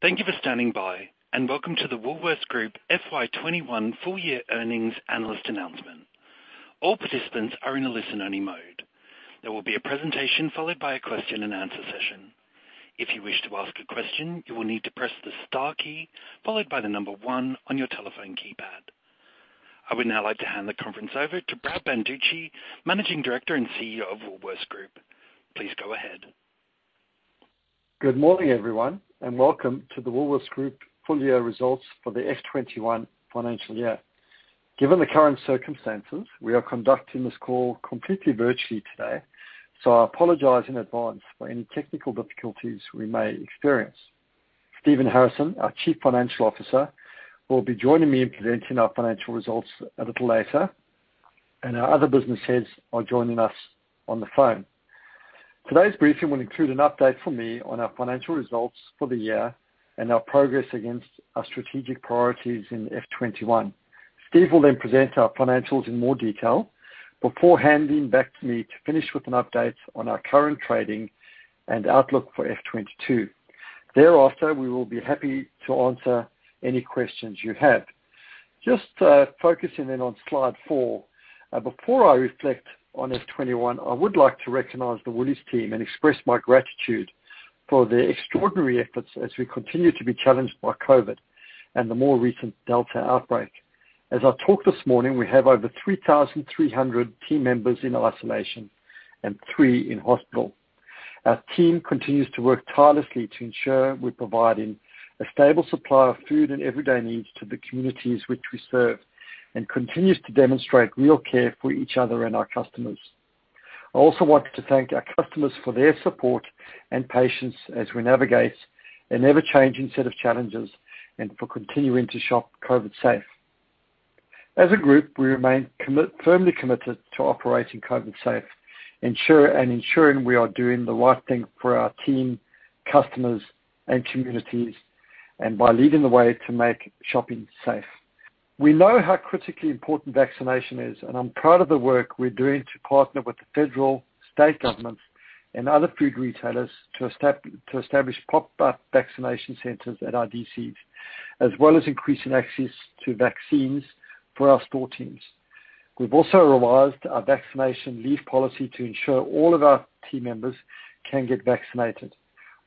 Thank you for standing by, and Welcome to the Woolworths Group FY 2021 Full Year Earnings Analyst Announcement. All participant are on listen-only mode, there will be a presentation followed by a Q&A session. If you wish to ask a question you will need to press the star key followed by number one on your telephone keypad. I would like to hand the conference server to Brad Banducci, Managing Director and CEO of Woolworths Group, please go ahead. Good morning, everyone, welcome to the Woolworths Group full-year results for the FY 2021 financial year. Given the current circumstances, we are conducting this call completely virtually today, so I apologize in advance for any technical difficulties we may experience. Stephen Harrison, our Chief Financial Officer, will be joining me in presenting our financial results a little later, and our other business heads are joining us on the phone. Today's briefing will include an update from me on our financial results for the year and our progress against our strategic priorities in FY 2021. Steve will present our financials in more detail before handing back to me to finish with an update on our current trading and outlook for FY 2022. Thereafter, we will be happy to answer any questions you have. Just focusing in on slide four. Before I reflect on FY 2021, I would like to recognize the Woolies team and express my gratitude for their extraordinary efforts as we continue to be challenged by COVID and the more recent Delta outbreak. As I talk this morning, we have over 3,300 team members in isolation and three in hospital. Our team continues to work tirelessly to ensure we're providing a stable supply of food and everyday needs to the communities which we serve and continues to demonstrate real care for each other and our customers. I also want to thank our customers for their support and patience as we navigate an ever-changing set of challenges and for continuing to shop COVID safe. As a group, we remain firmly committed to operating COVID safe and ensuring we are doing the right thing for our team, customers, and communities, and by leading the way to make shopping safe. We know how critically important vaccination is. I'm proud of the work we're doing to partner with the federal, state governments, and other food retailers to establish pop-up vaccination centers at our DCs, as well as increasing access to vaccines for our store teams. We've also revised our vaccination leave policy to ensure all of our team members can get vaccinated.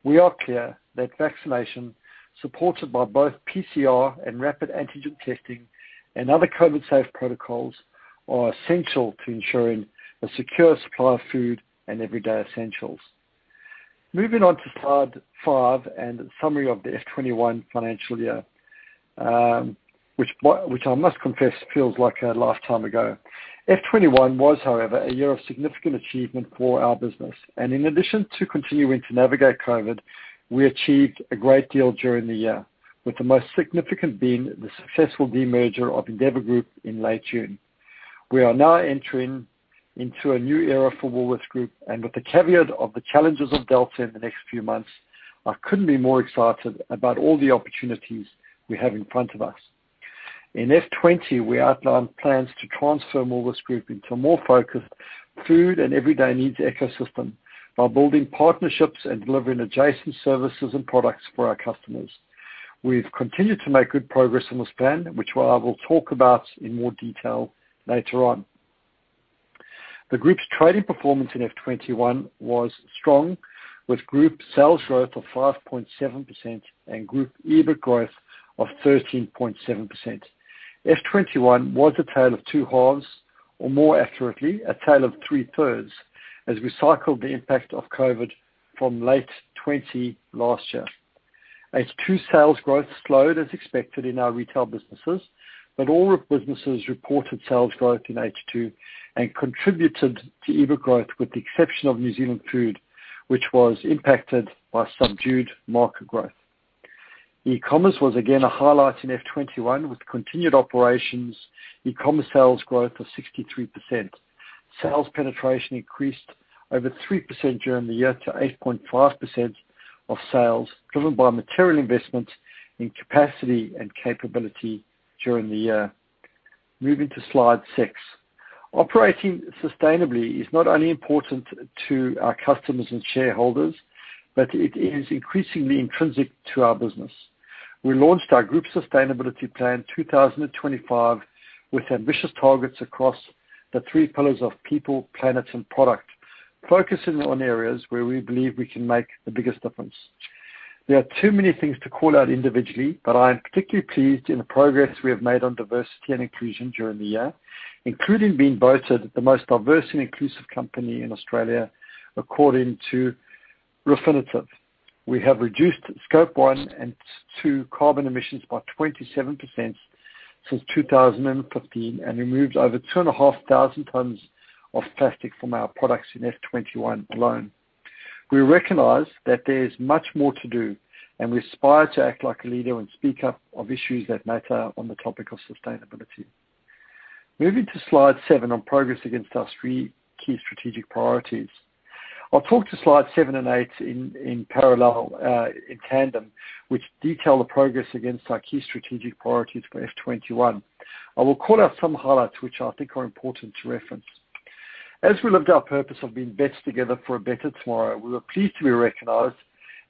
We are clear that vaccination, supported by both PCR and rapid antigen testing and other COVID safe protocols, are essential to ensuring a secure supply of food and everyday essentials. Moving on to slide five and the summary of the FY 2021 financial year, which I must confess feels like a lifetime ago. FY 2021 was, however, a year of significant achievement for our business. In addition to continuing to navigate COVID, we achieved a great deal during the year, with the most significant being the successful demerger of Endeavour Group in late June. We are now entering into a new era for Woolworths Group. With the caveat of the challenges of Delta in the next few months, I couldn't be more excited about all the opportunities we have in front of us. In FY 2020, we outlined plans to transform Woolworths Group into a more focused food and everyday needs ecosystem by building partnerships and delivering adjacent services and products for our customers. We've continued to make good progress on this plan, which I will talk about in more detail later on. The group's trading performance in FY 2021 was strong, with group sales growth of 5.7% and group EBIT growth of 13.7%. FY 2021 was a tale of two halves, or more accurately, a tale of three-thirds, as we cycled the impact of COVID from late 2020 last year. H2 sales growth slowed as expected in our retail businesses, but all businesses reported sales growth in H2 and contributed to EBIT growth with the exception of New Zealand Food, which was impacted by subdued market growth. E-commerce was again a highlight in FY 2021 with continued operations, e-commerce sales growth of 63%. Sales penetration increased over 3% during the year to 8.5% of sales, driven by material investments in capacity and capability during the year. Moving to slide six. Operating sustainably is not only important to our customers and shareholders, but it is increasingly intrinsic to our business. We launched our group sustainability plan 2025 with ambitious targets across the three pillars of People, Planet, and Product, focusing on areas where we believe we can make the biggest difference. There are too many things to call out individually, but I am particularly pleased in the progress we have made on diversity and inclusion during the year, including being voted the most diverse and inclusive company in Australia, according to Refinitiv. We have reduced Scope 1 and 2 carbon emissions by 27% since 2015 and removed over 2,500 tons of plastic from our products in FY 2021 alone. We recognize that there is much more to do, we aspire to act like a leader and speak up on issues that matter on the topic of sustainability. Moving to slide seven on progress against our three key strategic priorities. I'll talk to slides seven and eight in parallel in tandem, which detail the progress against our key strategic priorities for FY 2021. I will call out some highlights which I think are important to reference. As we lived our purpose of being best together for a better tomorrow, we were pleased to be recognized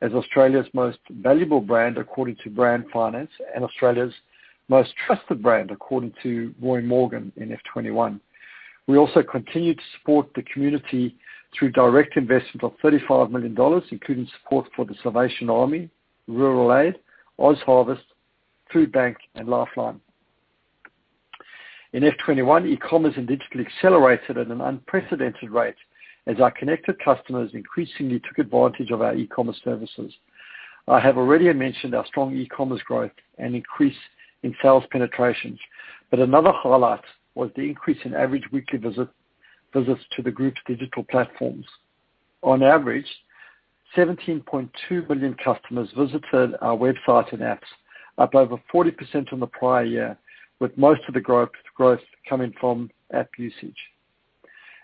as Australia's most valuable brand, according to Brand Finance, and Australia's most trusted brand, according to Roy Morgan in FY 2021. We also continued to support the community through direct investment of 35 million dollars, including support for The Salvation Army, Rural Aid, OzHarvest, Foodbank, and Lifeline. In FY 2021, e-commerce and digital accelerated at an unprecedented rate as our connected customers increasingly took advantage of our e-commerce services. I have already mentioned our strong e-commerce growth and increase in sales penetrations, another highlight was the increase in average weekly visits to the group's digital platforms. On average, 17.2 million customers visited our website and apps, up over 40% from the prior year, with most of the growth coming from app usage.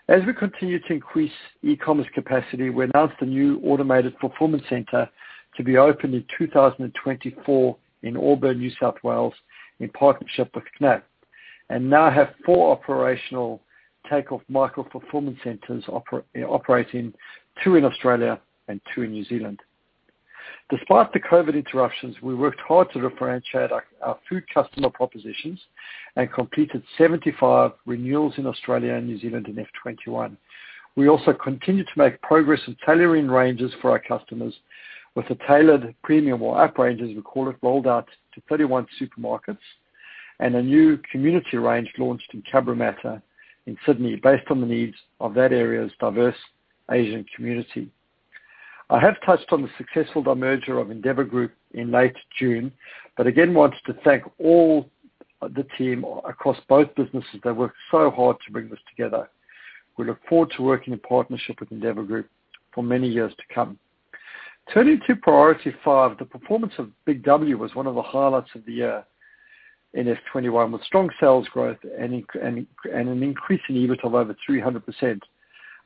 As we continue to increase e-commerce capacity, we announced a new automated fulfillment center to be opened in 2024 in Auburn, New South Wales, in partnership with KNAPP, and now have four operational Takeoff micro-fulfillment centers operating, two in Australia and two in New Zealand. Despite the COVID interruptions, we worked hard to refranchise our food customer propositions and completed 75 renewals in Australia and New Zealand in FY 2021. We also continued to make progress in tailoring ranges for our customers with the tailored premium or app ranges, we call it, rolled out to 31 supermarkets, and a new community range launched in Cabramatta in Sydney based on the needs of that area's diverse Asian community. I have touched on the successful demerger of Endeavour Group in late June, but again want to thank all the team across both businesses that worked so hard to bring this together. We look forward to working in partnership with Endeavour Group for many years to come. Turning to priority five, the performance of BIG W was one of the highlights of the year in FY 2021, with strong sales growth and an increase in EBIT of over 300%.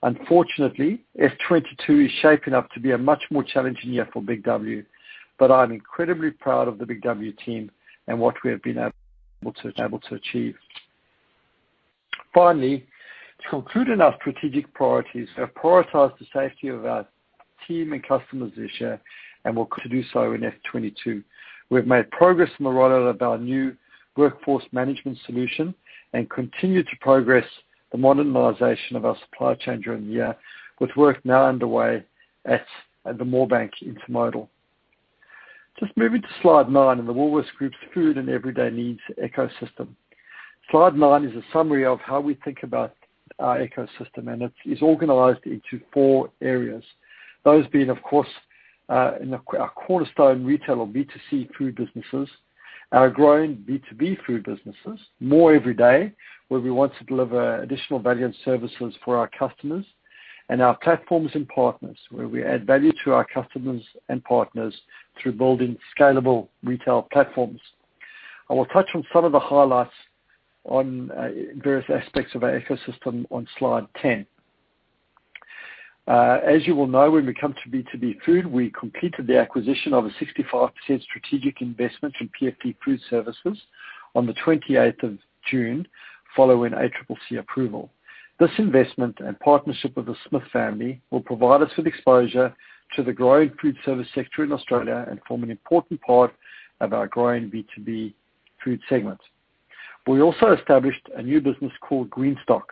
Unfortunately, FY 2022 is shaping up to be a much more challenging year for BIG W, but I'm incredibly proud of the BIG W team and what we have been able to achieve. Finally, to conclude on our strategic priorities, we have prioritized the safety of our team and customers this year and will continue to do so in FY 2022. We've made progress on the rollout of our new workforce management solution and continued to progress the modernization of our supply chain during the year, with work now underway at the Moorebank Intermodal. Just moving to slide nine in the Woolworths Group's food and everyday needs ecosystem. Slide nine is a summary of how we think about our ecosystem. It is organized into four areas. Those being, of course, our cornerstone retail or B2C food businesses, our growing B2B food businesses, more every day, where we want to deliver additional value and services for our customers, and our platforms and partners, where we add value to our customers and partners through building scalable retail platforms. I will touch on some of the highlights on various aspects of our ecosystem on slide 10. As you will know, when we come to B2B Food, we completed the acquisition of a 65% strategic investment from PFD Food Services on the 28th of June, following ACCC approval. This investment and partnership with the Smith family will provide us with exposure to the growing food service sector in Australia and form an important part of our growing B2B Food segment. We also established a new business called Greenstock,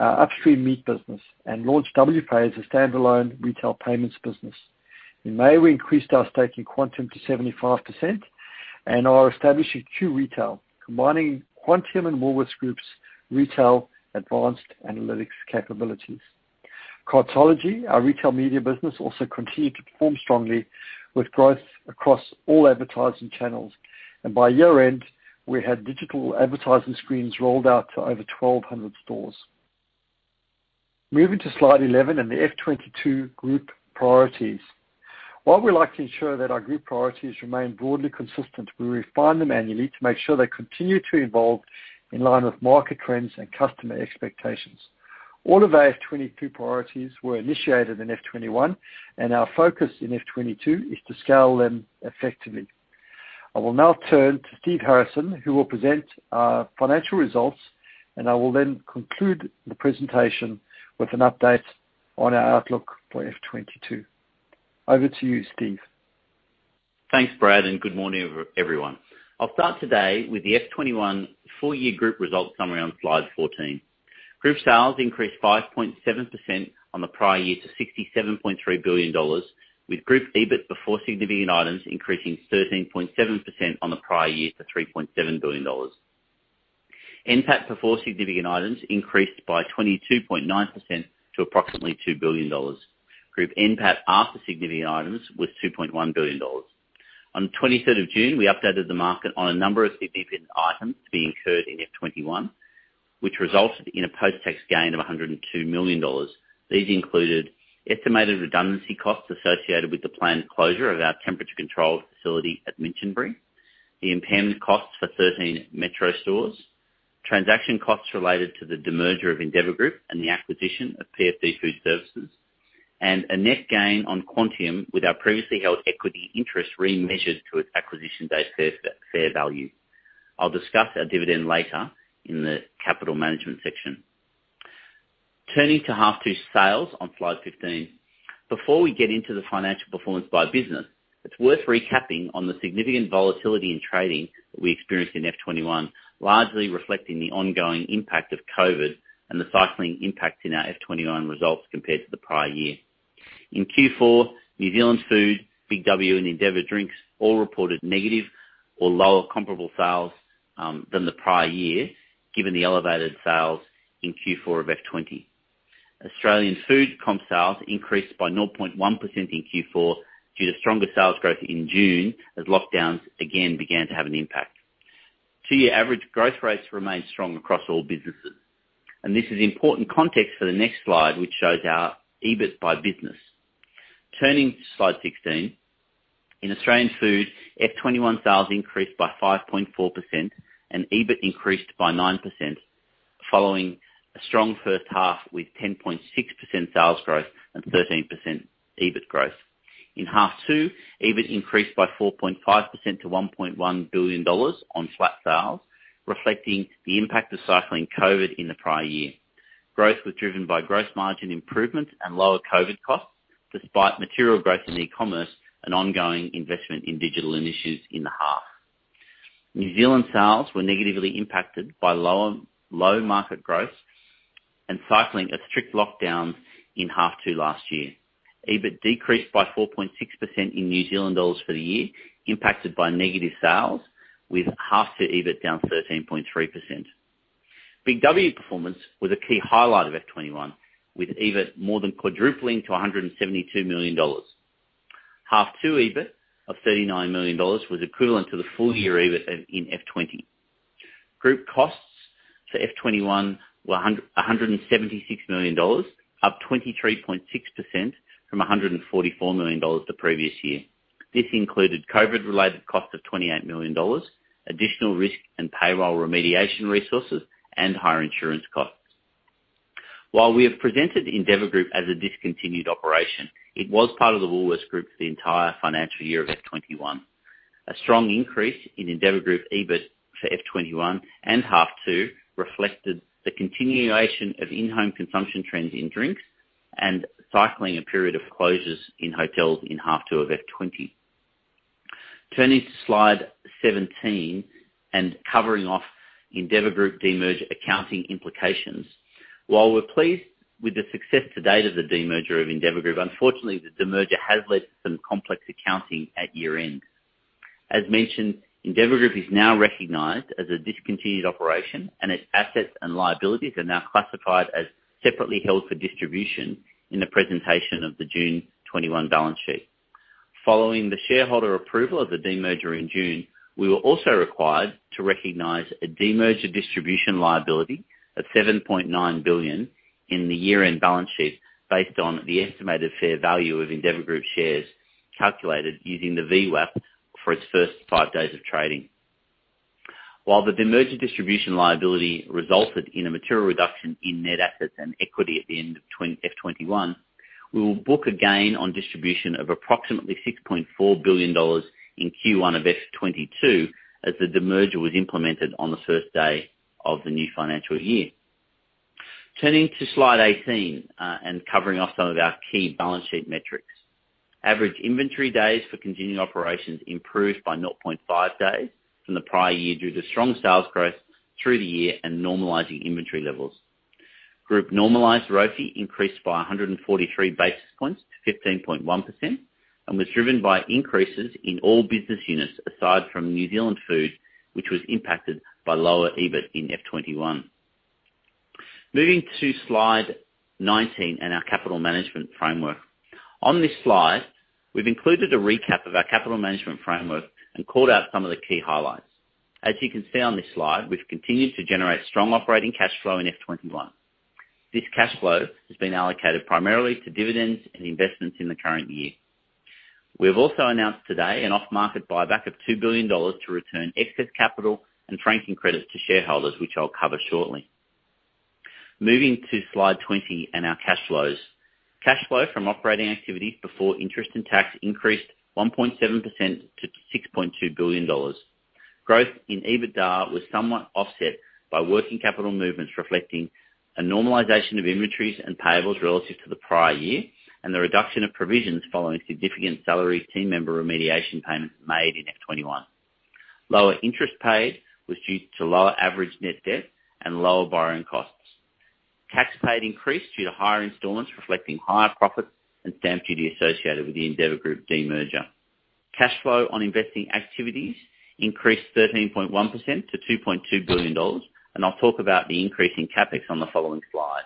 our upstream meat business, and launched Wpay as a standalone retail payments business. In May, we increased our stake in Quantium to 75% and are establishing Q-Retail, combining Quantium and Woolworths Group's retail advanced analytics capabilities. Cartology, our retail media business, also continued to perform strongly with growth across all advertising channels. By year-end, we had digital advertising screens rolled out to over 1,200 stores. Moving to slide 11 and the F22 group priorities. While we like to ensure that our group priorities remain broadly consistent, we refine them annually to make sure they continue to evolve in line with market trends and customer expectations. All of our FY 2022 priorities were initiated in FY 2021, and our focus in FY 2022 is to scale them effectively. I will now turn to Steve Harrison, who will present our financial results, and I will then conclude the presentation with an update on our outlook for FY 2022. Over to you, Steve. Thanks, Brad, and good morning, everyone. I'll start today with the FY 2021 full-year group results summary on slide 14. Group sales increased 5.7% on the prior year to 67.3 billion dollars, with group EBIT before significant items increasing 13.7% on the prior year to 3.7 billion dollars. NPAT before significant items increased by 22.9% to approximately 2 billion dollars. Group NPAT after significant items was 2.1 billion dollars. On the 23rd of June, we updated the market on a number of significant items to be incurred in F21, which resulted in a post-tax gain of 102 million dollars. These included estimated redundancy costs associated with the planned closure of our temperature-controlled facility at Minchinbury, the impairment costs for 13 Metro stores, transaction costs related to the demerger of Endeavour Group and the acquisition of PFD Food Services, and a net gain on Quantium with our previously held equity interest remeasured to its acquisition date fair value. I'll discuss our dividend later in the capital management section. Turning to half two sales on slide 15. Before we get into the financial performance by business, it's worth recapping on the significant volatility in trading that we experienced in FY 2021, largely reflecting the ongoing impact of COVID and the cycling impact in our FY 2021 results compared to the prior year. In Q4, New Zealand Food, BIG W, and Endeavour Drinks all reported negative or lower comparable sales than the prior year, given the elevated sales in Q4 of FY 2020. Australian Food comp sales increased by 0.1% in Q4 due to stronger sales growth in June, as lockdowns again began to have an an impact. Two-year average growth rates remain strong across all businesses. This is important context for the next slide, which shows our EBIT by business. Turning to slide 16. In Australian Food, FY 2021 sales increased by 5.4% and EBIT increased by 9%, following a strong first half with 10.6% sales growth and 13% EBIT growth. In half two, EBIT increased by 4.5% to 1.1 billion dollars on flat sales, reflecting the impact of cycling COVID in the prior year. Growth was driven by gross margin improvements and lower COVID costs, despite material growth in e-commerce and ongoing investment in digital initiatives in the half. New Zealand sales were negatively impacted by low market growth and cycling of strict lockdowns in half two last year. EBIT decreased by 4.6% in New Zealand Dollar for the year, impacted by negative sales, with half two EBIT down 13.3%. BIG W performance was a key highlight of FY 2021, with EBIT more than quadrupling to 172 million dollars. Half two EBIT of 39 million dollars was equivalent to the full year EBIT in FY 2020. Group costs for FY 2021 were AUD 176 million, up 23.6% from AUD 144 million the previous year. This included COVID-related costs of AUD 27 million, additional risk and payroll remediation resources, and higher insurance costs. While we have presented Endeavour Group as a discontinued operation, it was part of the Woolworths Group for the entire financial year of FY 2021. A strong increase in Endeavour Group EBIT for FY 2021 and half two reflected the continuation of in-home consumption trends in drinks and cycling a period of closures in hotels in half two of FY 2020. Turning to slide 17 and covering off Endeavour Group demerger accounting implications. While we're pleased with the success to date of the demerger of Endeavour Group, unfortunately, the demerger has led to some complex accounting at year-end. As mentioned, Endeavour Group is now recognized as a discontinued operation, and its assets and liabilities are now classified as separately held for distribution in the presentation of the June 2021 balance sheet. Following the shareholder approval of the demerger in June, we were also required to recognize a demerger distribution liability of 7.9 billion in the year-end balance sheet based on the estimated fair value of Endeavour Group shares, calculated using the VWAP for its first five days of trading. While the demerger distribution liability resulted in a material reduction in net assets and equity at the end of FY 2021, we will book a gain on distribution of approximately 6.4 billion dollars in Q1 of FY 2022 as the demerger was implemented on the first day of the new financial year. Turning to slide 18, and covering off some of our key balance sheet metrics. Average inventory days for continuing operations improved by 0.5 days from the prior year due to strong sales growth through the year and normalizing inventory levels. Group normalized ROFE increased by 143 basis points to 15.1% and was driven by increases in all business units aside from New Zealand Food, which was impacted by lower EBIT in FY 2021. Moving to slide 19 and our capital management framework. On this slide, we've included a recap of our capital management framework and called out some of the key highlights. As you can see on this slide, we've continued to generate strong operating cash flow in FY 2021. This cash flow has been allocated primarily to dividends and investments in the current year. We have also announced today an off-market buyback of 2 billion dollars to return excess capital and franking credits to shareholders, which I'll cover shortly. Moving to slide 20 and our cash flows. Cash flow from operating activities before interest and tax increased 1.7% to 6.2 billion dollars. Growth in EBITDA was somewhat offset by working capital movements reflecting a normalization of inventories and payables relative to the prior year, and the reduction of provisions following significant salary team member remediation payments made in FY 2021. Lower interest paid was due to lower average net debt and lower borrowing costs. Tax paid increased due to higher installments reflecting higher profits and stamp duty associated with the Endeavour Group demerger. Cash flow on investing activities increased 13.1% to 2.2 billion dollars. I'll talk about the increase in CapEx on the following slide.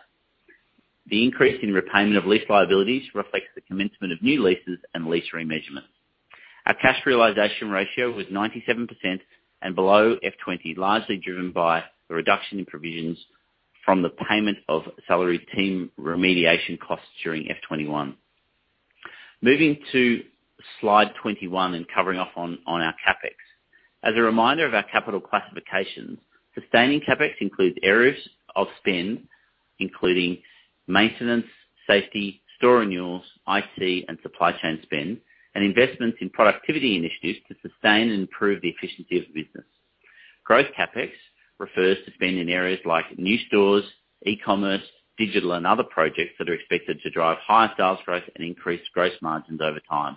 The increase in repayment of lease liabilities reflects the commencement of new leases and lease remeasurement. Our cash realization ratio was 97% and below FY 2020, largely driven by the reduction in provisions from the payment of salary team remediation costs during FY 2021. Moving to slide 21 and covering off on our CapEx. As a reminder of our capital classifications, sustaining CapEx includes areas of spend including maintenance, safety, store renewals, IT and supply chain spend, and investments in productivity initiatives to sustain and improve the efficiency of the business. Growth CapEx refers to spend in areas like new stores, e-commerce, digital and other projects that are expected to drive higher sales growth and increase gross margins over time.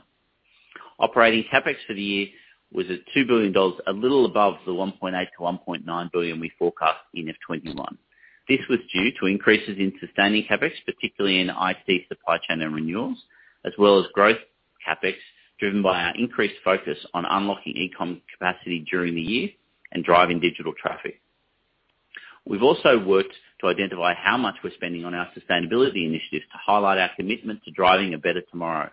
Operating CapEx for the year was at 2 billion dollars, a little above the 1.8 billion-1.9 billion we forecast in FY 2021. This was due to increases in sustaining CapEx, particularly in IT, supply chain and renewals, as well as growth CapEx, driven by our increased focus on unlocking e-com capacity during the year and driving digital traffic. We've also worked to identify how much we're spending on our sustainability initiatives to highlight our commitment to driving a better tomorrow.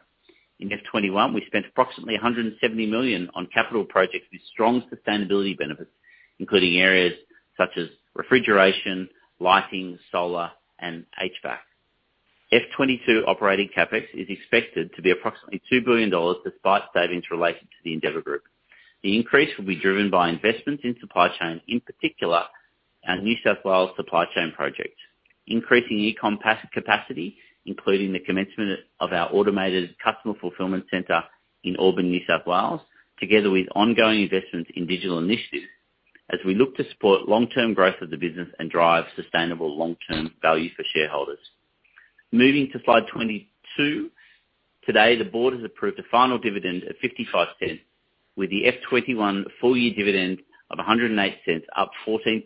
In FY 2021, we spent approximately AUD 170 million on capital projects with strong sustainability benefits, including areas such as refrigeration, lighting, solar and HVAC. FY 2022 operating CapEx is expected to be approximately 2 billion dollars despite savings related to the Endeavour Group. The increase will be driven by investments in supply chain, in particular our New South Wales supply chain project. Increasing e-com capacity, including the commencement of our automated customer fulfillment center in Auburn, New South Wales, together with ongoing investments in digital initiatives as we look to support long-term growth of the business and drive sustainable long-term value for shareholders. Moving to slide 22. Today, the board has approved the final dividend of 0.55, with the FY 2021 full year dividend of 1.08, up 14.9%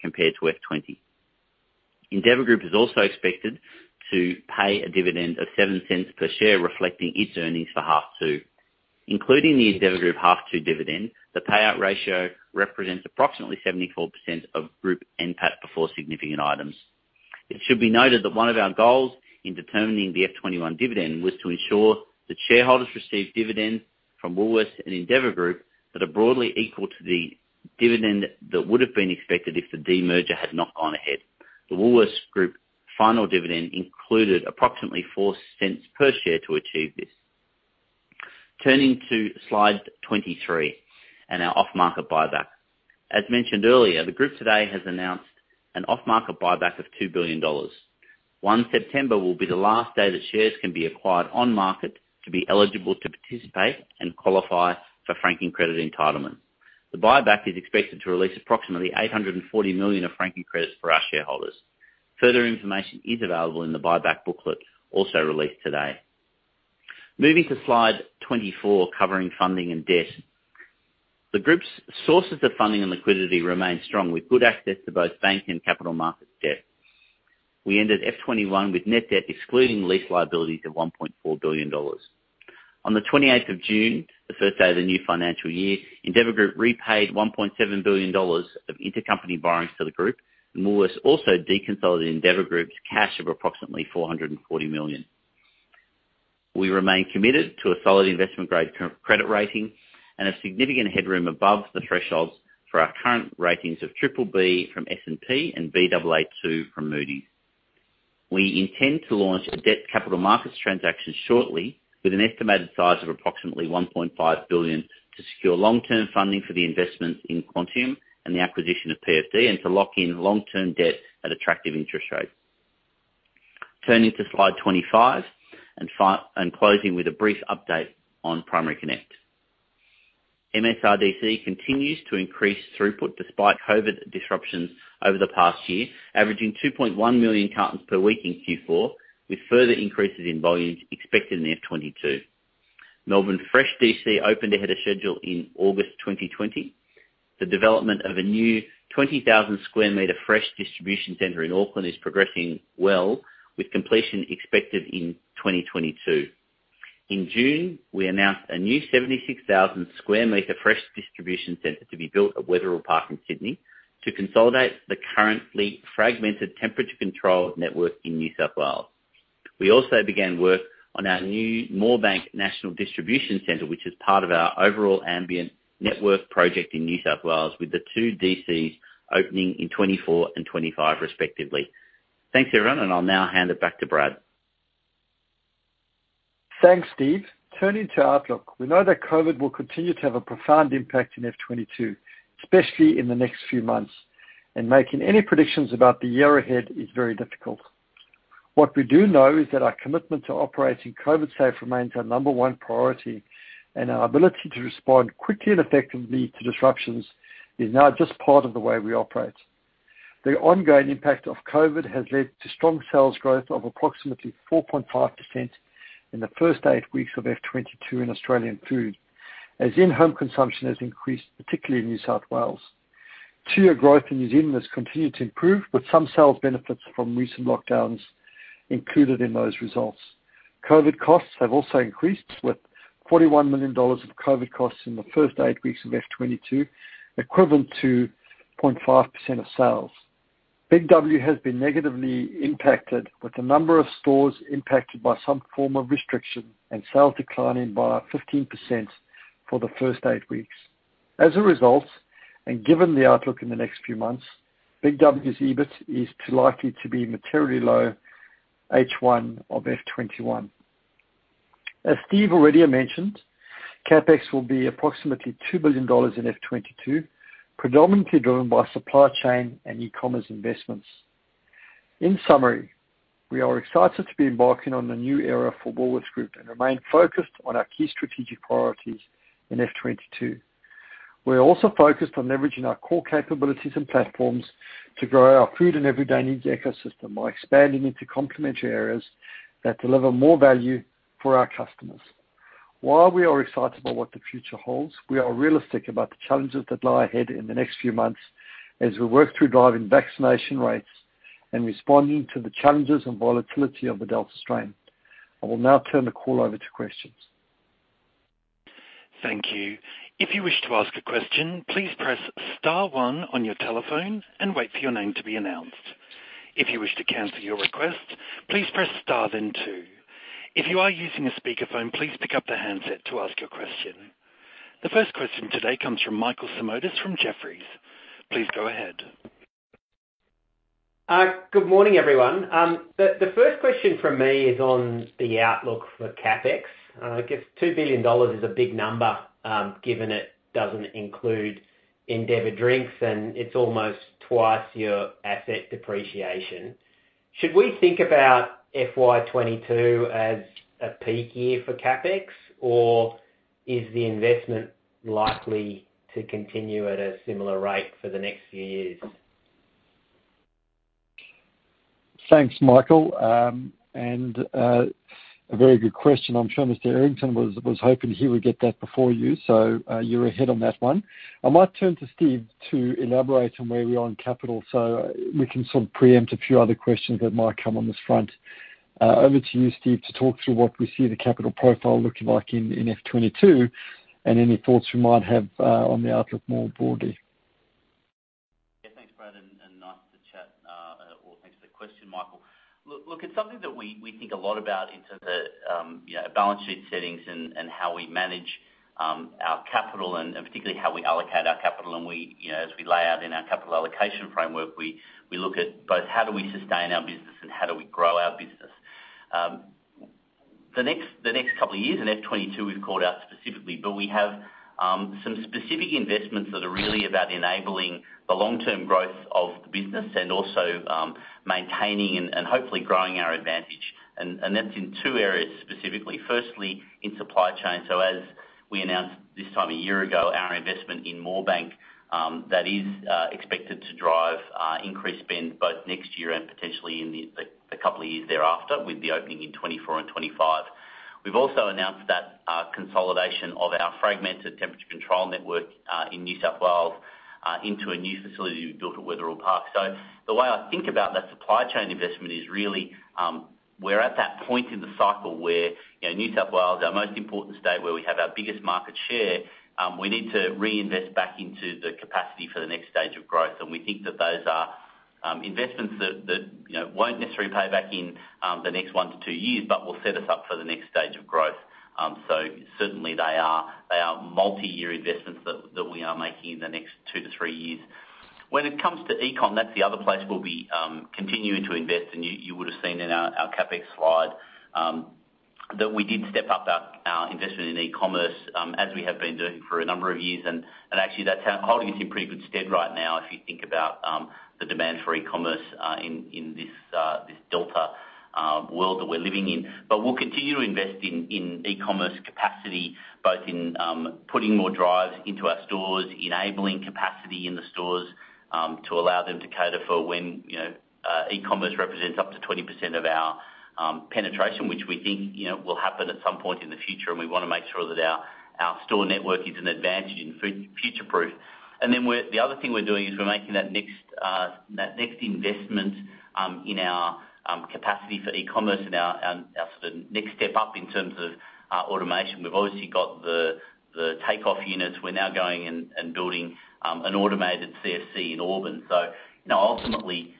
compared to FY 2020. Endeavour Group is also expected to pay a dividend of 0.07 per share, reflecting its earnings for half two. Including the Endeavour Group half two dividend, the payout ratio represents approximately 74% of group NPAT before significant items. It should be noted that one of our goals in determining the FY 2021 dividend was to ensure that shareholders received dividends from Woolworths and Endeavour Group that are broadly equal to the dividend that would have been expected if the demerger had not gone ahead. The Woolworths Group final dividend included approximately 0.04 per share to achieve this. Turning to slide 23 and our off-market buyback. As mentioned earlier, the group today has announced an off-market buyback of 2 billion dollars. One September will be the last day that shares can be acquired on market to be eligible to participate and qualify for franking credit entitlement. The buyback is expected to release approximately 840 million of franking credits for our shareholders. Further information is available in the buyback booklet, also released today. Moving to slide 24, covering funding and debt. The group's sources of funding and liquidity remain strong, with good access to both bank and capital markets debt. We ended FY 2021 with net debt excluding lease liabilities of 1.4 billion dollars. On the 28th of June, the first day of the new financial year, Endeavour Group repaid 1.7 billion dollars of intercompany borrowings to the group, and Woolworths also deconsolidated Endeavour Group's cash of approximately 440 million. We remain committed to a solid investment-grade credit rating and a significant headroom above the thresholds for our current ratings of BBB from S&P and Baa2 from Moody's. We intend to launch a debt capital markets transaction shortly with an estimated size of approximately 1.5 billion to secure long-term funding for the investments in Quantium and the acquisition of PFD and to lock in long-term debt at attractive interest rates. Turning to slide 25 and closing with a brief update on Primary Connect. MSRDC continues to increase throughput despite COVID disruptions over the past year, averaging 2.1 million cartons per week in Q4, with further increases in volumes expected in FY 2022. Melbourne Fresh DC opened ahead of schedule in August 2020. The development of a new 20,000 sq m fresh distribution center in Auckland is progressing well, with completion expected in 2022. In June, we announced a new 76,000 sq m fresh distribution center to be built at Wetherill Park in Sydney to consolidate the currently fragmented temperature-controlled network in New South Wales. We also began work on our new Moorebank National Distribution Centre, which is part of our overall ambient network project in New South Wales, with the two DCs opening in 2024 and 2025 respectively. Thanks, everyone, and I'll now hand it back to Brad. Thanks, Steve. Turning to outlook. We know that COVID will continue to have a profound impact in FY 2022, especially in the next few months, and making any predictions about the year ahead is very difficult. What we do know is that our commitment to operating COVID-safe remains our number one priority, and our ability to respond quickly and effectively to disruptions is now just part of the way we operate. The ongoing impact of COVID has led to strong sales growth of approximately 4.5% in the first eight weeks of FY 2022 in Australian Food, as in-home consumption has increased, particularly in New South Wales. Two-year growth in New Zealand has continued to improve, with some sales benefits from recent lockdowns included in those results. COVID costs have also increased, with 41 million dollars of COVID costs in the first eight weeks of FY 2022, equivalent to 0.5% of sales. BIG W has been negatively impacted, with a number of stores impacted by some form of restriction and sales declining by 15% for the first eight weeks. As a result, and given the outlook in the next few months, BIG W's EBIT is likely to be materially low H1 of FY 2021. As Steve already mentioned, CapEx will be approximately 2 billion dollars in FY 2022, predominantly driven by supply chain and e-commerce investments. In summary, we are excited to be embarking on a new era for Woolworths Group and remain focused on our key strategic priorities in FY 2022. We're also focused on leveraging our core capabilities and platforms to grow our food and everyday needs ecosystem by expanding into complementary areas that deliver more value for our customers. While we are excited by what the future holds, we are realistic about the challenges that lie ahead in the next few months as we work through driving vaccination rates and responding to the challenges and volatility of the Delta strain. I will now turn the call over to questions. Thank you. The first question today comes from Michael Simotas from Jefferies. Please go ahead. Good morning, everyone. The first question from me is on the outlook for CapEx. I guess 2 billion dollars is a big number, given it doesn't include Endeavour Drinks, and it's almost twice your asset depreciation. Should we think about FY 2022 as a peak year for CapEx, or is the investment likely to continue at a similar rate for the next few years? Thanks, Michael. A very good question. I'm sure Mr Errington was hoping he would get that before you, so you are ahead on that one. I might turn to Steve to elaborate on where we are on capital so we can sort of preempt a few other questions that might come on this front. Over to you, Steve, to talk through what we see the capital profile looking like in FY 2022 and any thoughts you might have on the outlook more broadly. Yeah, thanks, Brad, and nice to chat, or thanks for the question, Michael. Look, it's something that we think a lot about into the balance sheet settings and how we manage our capital and particularly how we allocate our capital. As we lay out in our capital allocation framework, we look at both how do we sustain our business and how do we grow our business. The next couple of years in FY 2022 we've called out specifically, but we have some specific investments that are really about enabling the long-term growth of the business and also maintaining and hopefully growing our advantage. That's in two areas specifically. Firstly, in supply chain. As we announced this time a year ago, our investment in Moorebank, that is expected to drive increased spend both next year and potentially in the couple of years thereafter, with the opening in 2024 and 2025. We've also announced that consolidation of our fragmented temperature control network in New South Wales into a new facility we've built at Wetherill Park. The way I think about that supply chain investment is really we're at that point in the cycle where New South Wales, our most important state where we have our biggest market share, we need to reinvest back into the capacity for the next stage of growth. We think that those are investments that won't necessarily pay back in the next one to two years, but will set us up for the next stage of growth. Certainly they are multi-year investments that we are making in the next two to three years. When it comes to e-com, that's the other place we'll be continuing to invest. You would've seen in our CapEx slide that we did step up our investment in e-commerce as we have been doing for a number of years. Actually that's holding its own pretty good stead right now if you think about the demand for e-commerce in this Delta world that we're living in. We'll continue to invest in e-commerce capacity, both in putting more drives into our stores, enabling capacity in the stores to allow them to cater for when e-commerce represents up to 20% of our penetration, which we think will happen at some point in the future. We want to make sure that our store network is an advantage and future-proof. The other thing we're doing is we're making that next investment in our capacity for e-commerce and our sort of next step up in terms of our automation. We've obviously got the Takeoff units. We're now going and building an automated CFC in Auburn. Ultimately,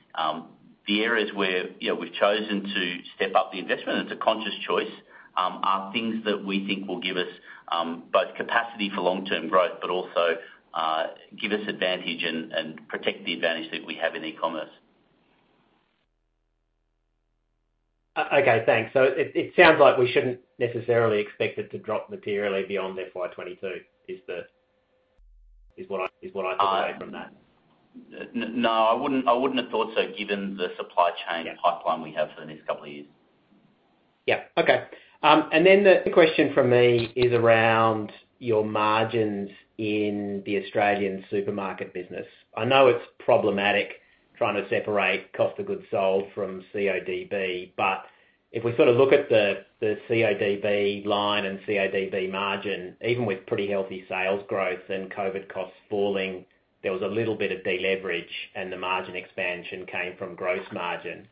the areas where we've chosen to step up the investment, and it's a conscious choice, are things that we think will give us both capacity for long-term growth, but also give us advantage and protect the advantage that we have in e-commerce. Okay, thanks. It sounds like we shouldn't necessarily expect it to drop materially beyond FY 2022, is what I take away from that. No, I wouldn't have thought so given the supply chain pipeline we have for the next couple of years. Yeah. Okay. The question from me is around your margins in the Australian supermarket business. I know it's problematic trying to separate cost of goods sold from CODB, but if we look at the CODB line and CODB margin, even with pretty healthy sales growth and COVID costs falling, there was a little bit of deleverage and the margin expansion came from gross margin.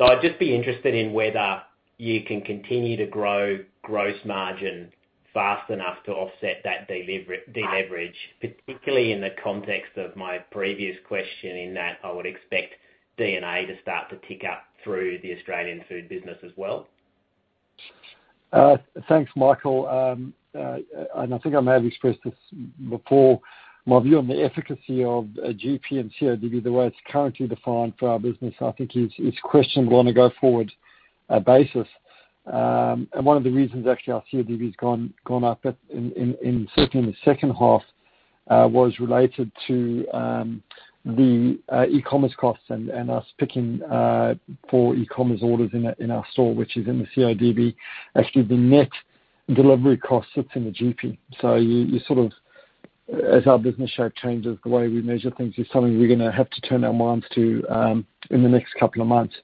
I'd just be interested in whether you can continue to grow gross margin fast enough to offset that deleverage, particularly in the context of my previous question in that I would expect D&A to start to tick up through the Australian Food business as well. Thanks, Michael. I think I may have expressed this before. My view on the efficacy of GP and CODB the way it's currently defined for our business, I think is questionable on a go-forward basis. One of the reasons actually our CODB has gone up certainly in the second half was related to the e-commerce costs and us picking for e-commerce orders in our store, which is in the CODB. Actually, the net delivery cost sits in the GP. As our business shape changes, the way we measure things is something we're going to have to turn our minds to in the next couple of months.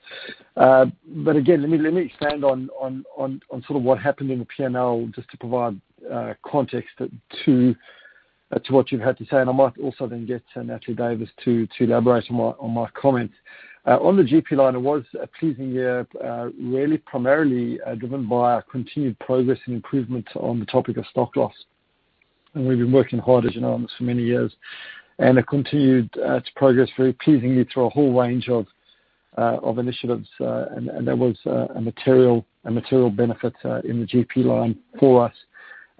Again, let me expand on sort of what happened in the P&L, just to provide context to what you've had to say. I might also then get Natalie Davis to elaborate on my comments. On the GP line, it was a pleasing year, really primarily driven by our continued progress and improvements on the topic of stock loss. We've been working hard, as you know, on this for many years, and it continued to progress very pleasingly through a whole range of initiatives. There was a material benefit in the GP line for us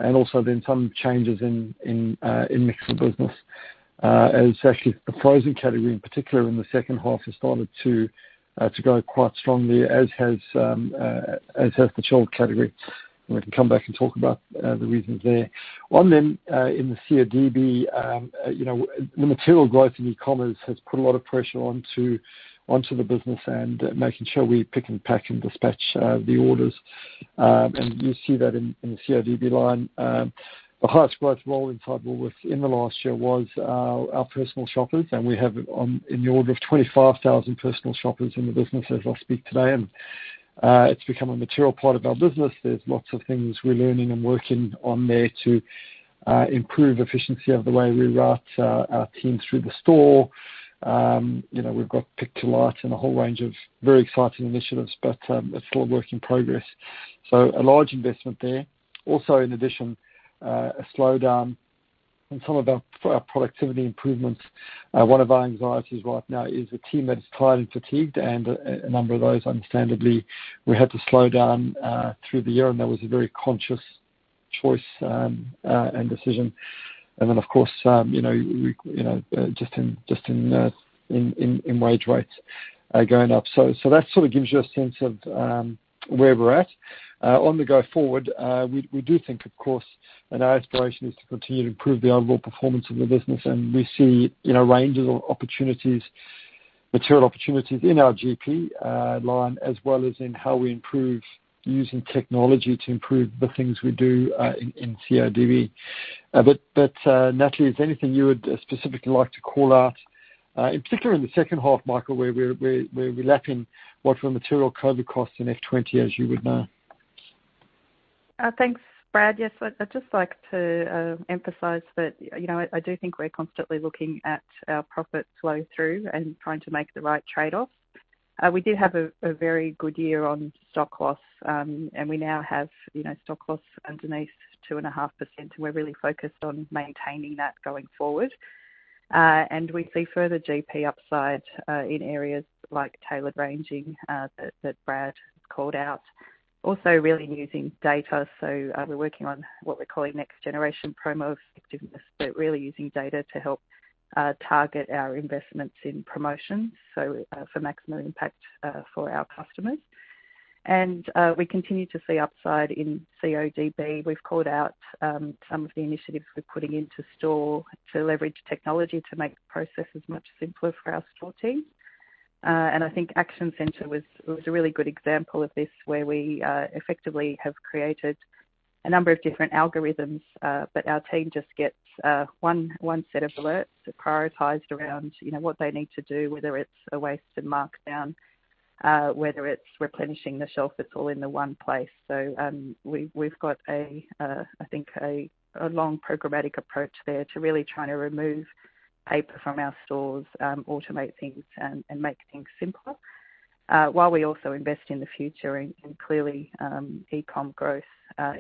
and also then some changes in mixed business as actually the frozen category, in particular in the second half, has started to go quite strongly, as has the chilled category. We can come back and talk about the reasons there. On, in the CODB, the material growth in e-commerce has put a lot of pressure onto the business and making sure we pick and pack and dispatch the orders. You see that in the CODB line. The highest growth role inside Woolworths in the last year was our personal shoppers. We have in the order of 25,000 personal shoppers in the business as I speak today, and it's become a material part of our business. There's lots of things we're learning and working on there to improve efficiency of the way we route our teams through the store. We've got pick to light and a whole range of very exciting initiatives, but it's still a work in progress. A large investment there. Also in addition, a slowdown in some of our productivity improvements. One of our anxieties right now is a team that is tired and fatigued, and a number of those, understandably, we had to slow down through the year, and that was a very conscious choice and decision. Then, of course, just in wage rates going up. That sort of gives you a sense of where we're at. On the go forward, we do think, of course, and our aspiration is to continue to improve the overall performance of the business. We see ranges of opportunities, material opportunities in our GP line, as well as in how we improve using technology to improve the things we do in CODB. Natalie, is there anything you would specifically like to call out, in particular in the second half, Michael, where we're lapping what were material COVID costs in FY 2020, as you would know? Thanks, Brad. I'd just like to emphasize that I do think we're constantly looking at our profit flow through and trying to make the right trade-off. We did have a very good year on stock loss, and we now have stock loss underneath 2.5%, and we're really focused on maintaining that going forward. We see further GP upside in areas like tailored ranging that Brad called out. Also really using data, so we're working on what we're calling next generation promo effectiveness, but really using data to help target our investments in promotions, so for maximum impact for our customers. We continue to see upside in CODB. We've called out some of the initiatives we're putting into store to leverage technology to make the processes much simpler for our store teams. I think Action Centre was a really good example of this, where we effectively have created a number of different algorithms. Our team just gets one set of alerts. They're prioritized around what they need to do, whether it's a waste to markdown, whether it's replenishing the shelf, it's all in the one place. We've got, I think, a long programmatic approach there to really trying to remove paper from our stores, automate things, and make things simpler while we also invest in the future. Clearly, e-com growth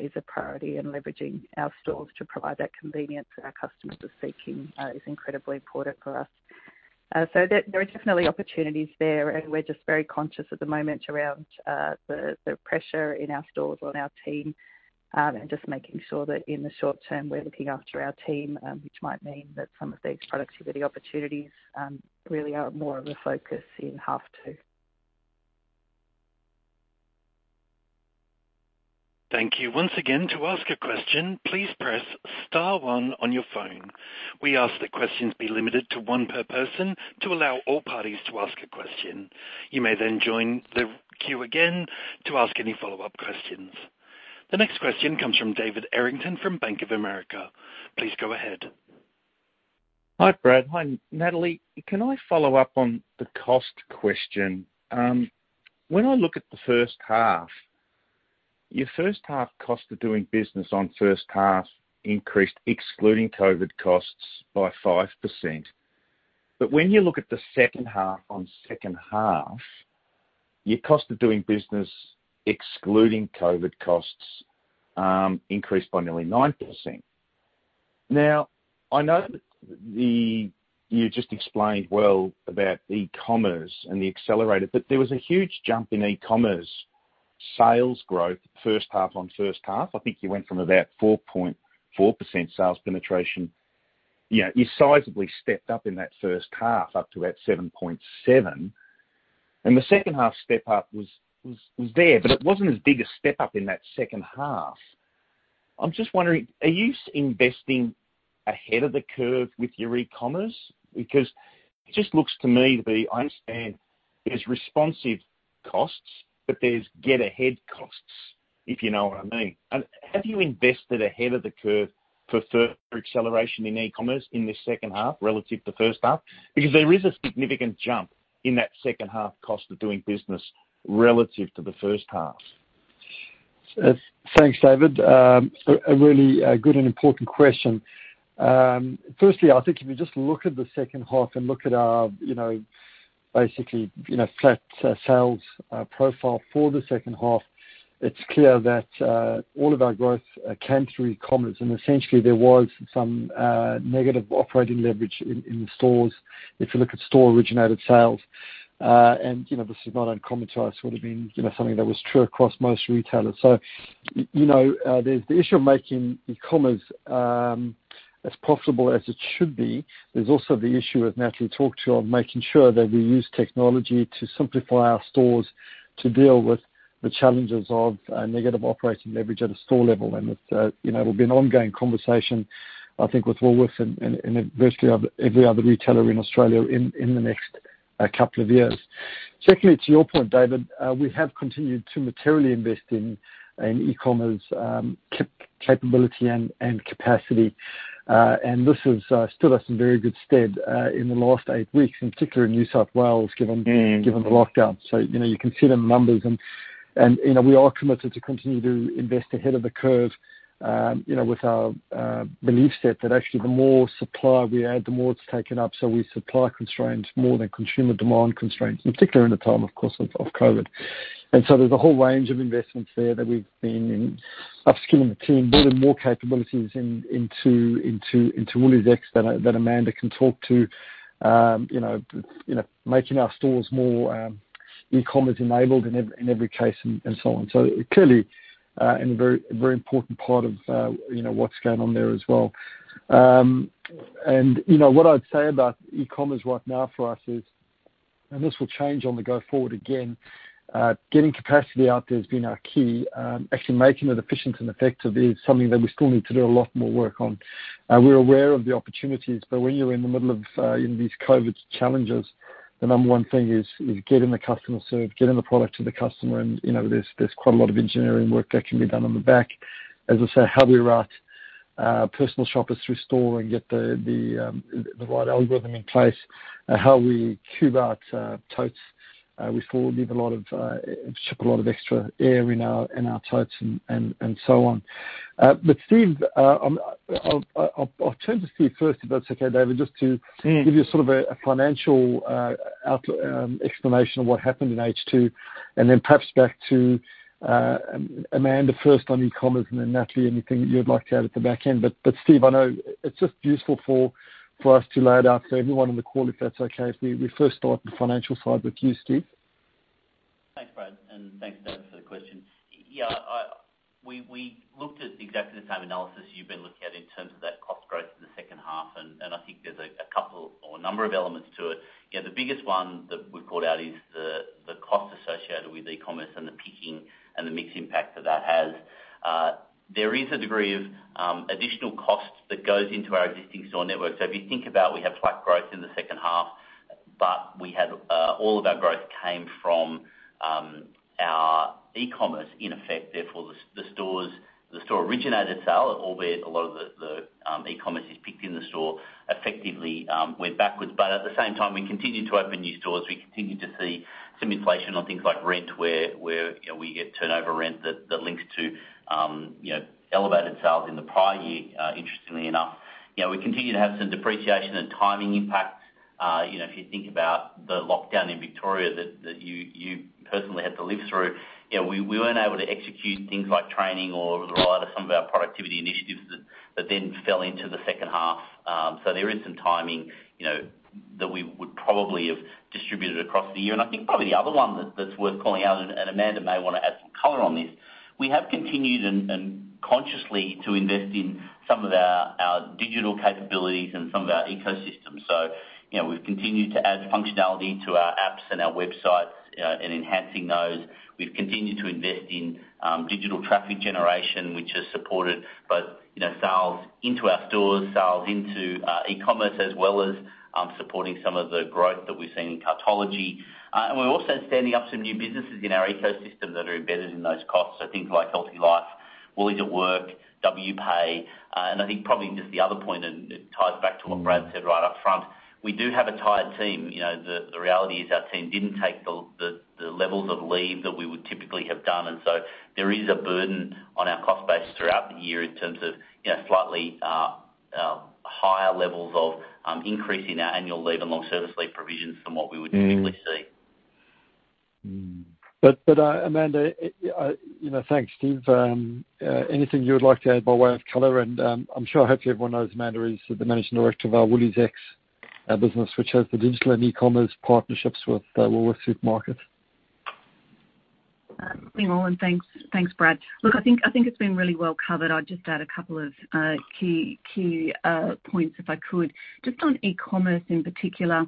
is a priority, and leveraging our stores to provide that convenience that our customers are seeking is incredibly important for us. There are definitely opportunities there, and we're just very conscious at the moment around the pressure in our stores on our team and just making sure that in the short term, we're looking after our team, which might mean that some of these productivity opportunities really are more of a focus in half two. Thank you. Once again, to ask a question, please press star one on your phone. We ask that questions be limited to one per person to allow all parties to ask a question. You may join the queue again to ask any follow-up questions. The next question comes from David Errington from Bank of America. Please go ahead. Hi, Brad. Hi, Natalie. Can I follow up on the cost question? When I look at the first half, your first half cost of doing business on first half increased, excluding COVID costs, by 5%. When you look at the second half on second half, your cost of doing business, excluding COVID costs, increased by nearly 9%. I know that you just explained well about e-commerce and the accelerator, there was a huge jump in e-commerce sales growth first half on first half. I think you went from about 4.4% sales penetration. You sizably stepped up in that first half up to about 7.7%. The second-half step up was there, it wasn't as big a step up in that second half. I'm just wondering, are you investing ahead of the curve with your e-commerce? Because it just looks to me to be, I understand there's responsive costs, but there's get ahead costs, if you know what I mean. Have you invested ahead of the curve for further acceleration in e-commerce in this second half relative to first half? Because there is a significant jump in that second half cost of doing business relative to the first half. Thanks, David. A really good and important question. I think if you just look at the second half and look at our basically flat sales profile for the second half, it's clear that all of our growth came through e-commerce, and essentially there was some negative operating leverage in the stores. If you look at store-originated sales, this is not uncommon to us would have been something that was true across most retailers. There's the issue of making e-commerce as profitable as it should be. There's also the issue, as Natalie talked to, of making sure that we use technology to simplify our stores to deal with the challenges of a negative operating leverage at a store level. It will be an ongoing conversation, I think, with Woolworths and virtually every other retailer in Australia in the next couple of years. Secondly, to your point, David, we have continued to materially invest in an e-commerce capability and capacity. This has stood us in very good stead in the last eight weeks, in particular in New South Wales, given the lockdown. You can see the numbers, and we are committed to continue to invest ahead of the curve with our belief set that actually the more supply we add, the more it's taken up. We supply constraints more than consumer demand constraints, in particular in the time, of course, of COVID. There's a whole range of investments there that we've been upskilling the team, building more capabilities into WooliesX that Amanda can talk to making our stores more e-commerce-enabled in every case and so on. Clearly, and a very important part of what's going on there as well. What I'd say about e-commerce right now for us is, and this will change on the go forward again, getting capacity out there has been our key. Actually making it efficient and effective is something that we still need to do a lot more work on. We're aware of the opportunities, but when you're in the middle of these COVID challenges, the number one thing is getting the customer served, getting the product to the customer, and there's quite a lot of engineering work that can be done on the back. As I say, how we route personal shoppers through store and get the right algorithm in place, how we cube out totes. We still ship a lot of extra air in our totes and so on. I'll turn to Steve first, if that's okay, David, just to give you sort of a financial explanation of what happened in H2, and then perhaps back to Amanda first on e-commerce, and then Natalie, anything that you'd like to add at the back end. Steve, I know it's just useful for us to lay it out to everyone on the call, if that's okay, if we first start the financial side with you, Steve. Thanks, Brad, and thanks, David, for the question. Yeah, we looked at exactly the same analysis you've been looking at in terms of that cost growth in the second half. I think there's a couple or a number of elements to it. The biggest one that we've called out is the cost associated with e-commerce and the picking and the mix impact that that has. There is a degree of additional costs that goes into our existing store network. If you think about we have flat growth in the second half, but all of our growth came from our e-commerce in effect, therefore, the store-originated sale, albeit a lot of the e-commerce is picked in the store effectively went backwards. At the same time, we continued to open new stores. We continued to see some inflation on things like rent, where we get turnover rent that links to elevated sales in the prior year, interestingly enough. We continued to have some depreciation and timing impact. If you think about the lockdown in Victoria that you personally had to live through, we weren't able to execute things like training or the rollout of some of our productivity initiatives that then fell into the second half. There is some timing that we would probably have distributed across the year. I think probably the other one that's worth calling out, and Amanda may want to add some color on this, we have continued and consciously to invest in some of our digital capabilities and some of our ecosystems. We've continued to add functionality to our apps and our websites and enhancing those. We've continued to invest in digital traffic generation, which has supported both sales into our stores, sales into e-commerce, as well as supporting some of the growth that we've seen in Cartology. We're also standing up some new businesses in our ecosystem that are embedded in those costs. Things like HealthyLife, Woolies at Work, WPay. I think probably just the other point, and it ties back to what Brad said right up front, we do have a tired team. The reality is our team didn't take the levels of leave that we would typically have done, and so there is a burden on our cost base throughout the year in terms of slightly higher levels of increase in our annual leave and long service leave provisions than what we would typically see. Amanda, thanks, Steve. Anything you would like to add by way of color? I'm sure hopefully everyone knows Amanda is the Managing Director of our WooliesX business, which has the digital and e-commerce partnerships with Woolworths Supermarket. Thanks, Brad. Look, I think it's been really well covered. I'll just add a couple of key points, if I could. Just on e-commerce in particular,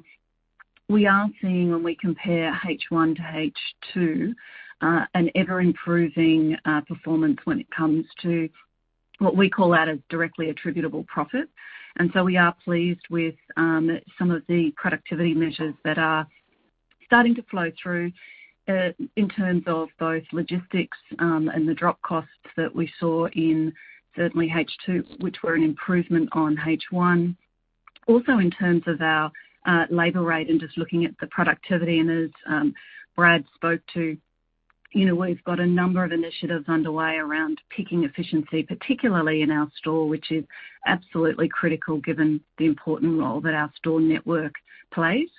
we are seeing when we compare H1 to H2 an ever-improving performance when it comes to what we call out as directly attributable profit. We are pleased with some of the productivity measures that are starting to flow through, in terms of both logistics and the drop costs that we saw in certainly H2, which were an improvement on H1. Also in terms of our labor rate and just looking at the productivity, and as Brad spoke to, we've got a number of initiatives underway around picking efficiency, particularly in our store, which is absolutely critical given the important role that our store network plays.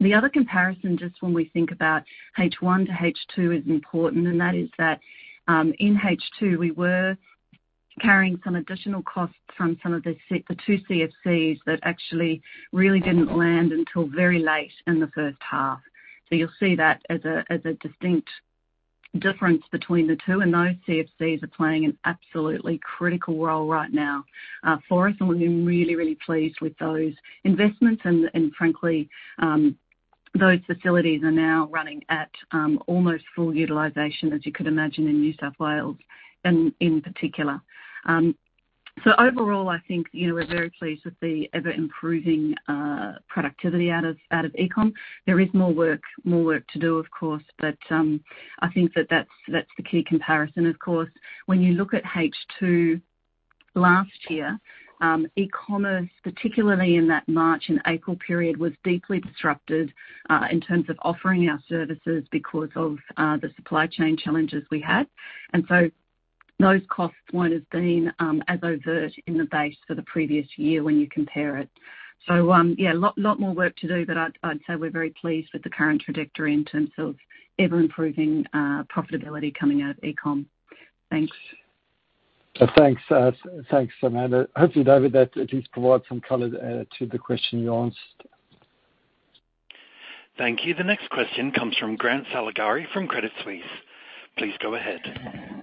The other comparison, just when we think about H1 to H2 is important, and that is that in H2, we were carrying some additional costs from some of the two CFCs that actually really didn't land until very late in the first half. You'll see that as a distinct difference between the two. Those CFCs are playing an absolutely critical role right now for us. We're really, really pleased with those investments. Frankly, those facilities are now running at almost full utilization, as you could imagine, in New South Wales in particular. Overall, I think, we're very pleased with the ever-improving productivity out of e-com. There is more work to do, of course, but I think that's the key comparison. Of course, when you look at H2 last year, e-commerce, particularly in that March and April period, was deeply disrupted in terms of offering our services because of the supply chain challenges we had. Those costs won't have been as overt in the base for the previous year when you compare it. Yeah, a lot more work to do, but I'd say we're very pleased with the current trajectory in terms of ever-improving profitability coming out of e-com. Thanks. Thanks, Amanda. Hopefully, David, that at least provides some color to the question you asked. Thank you. The next question comes from Grant Saligari from Credit Suisse. Please go ahead.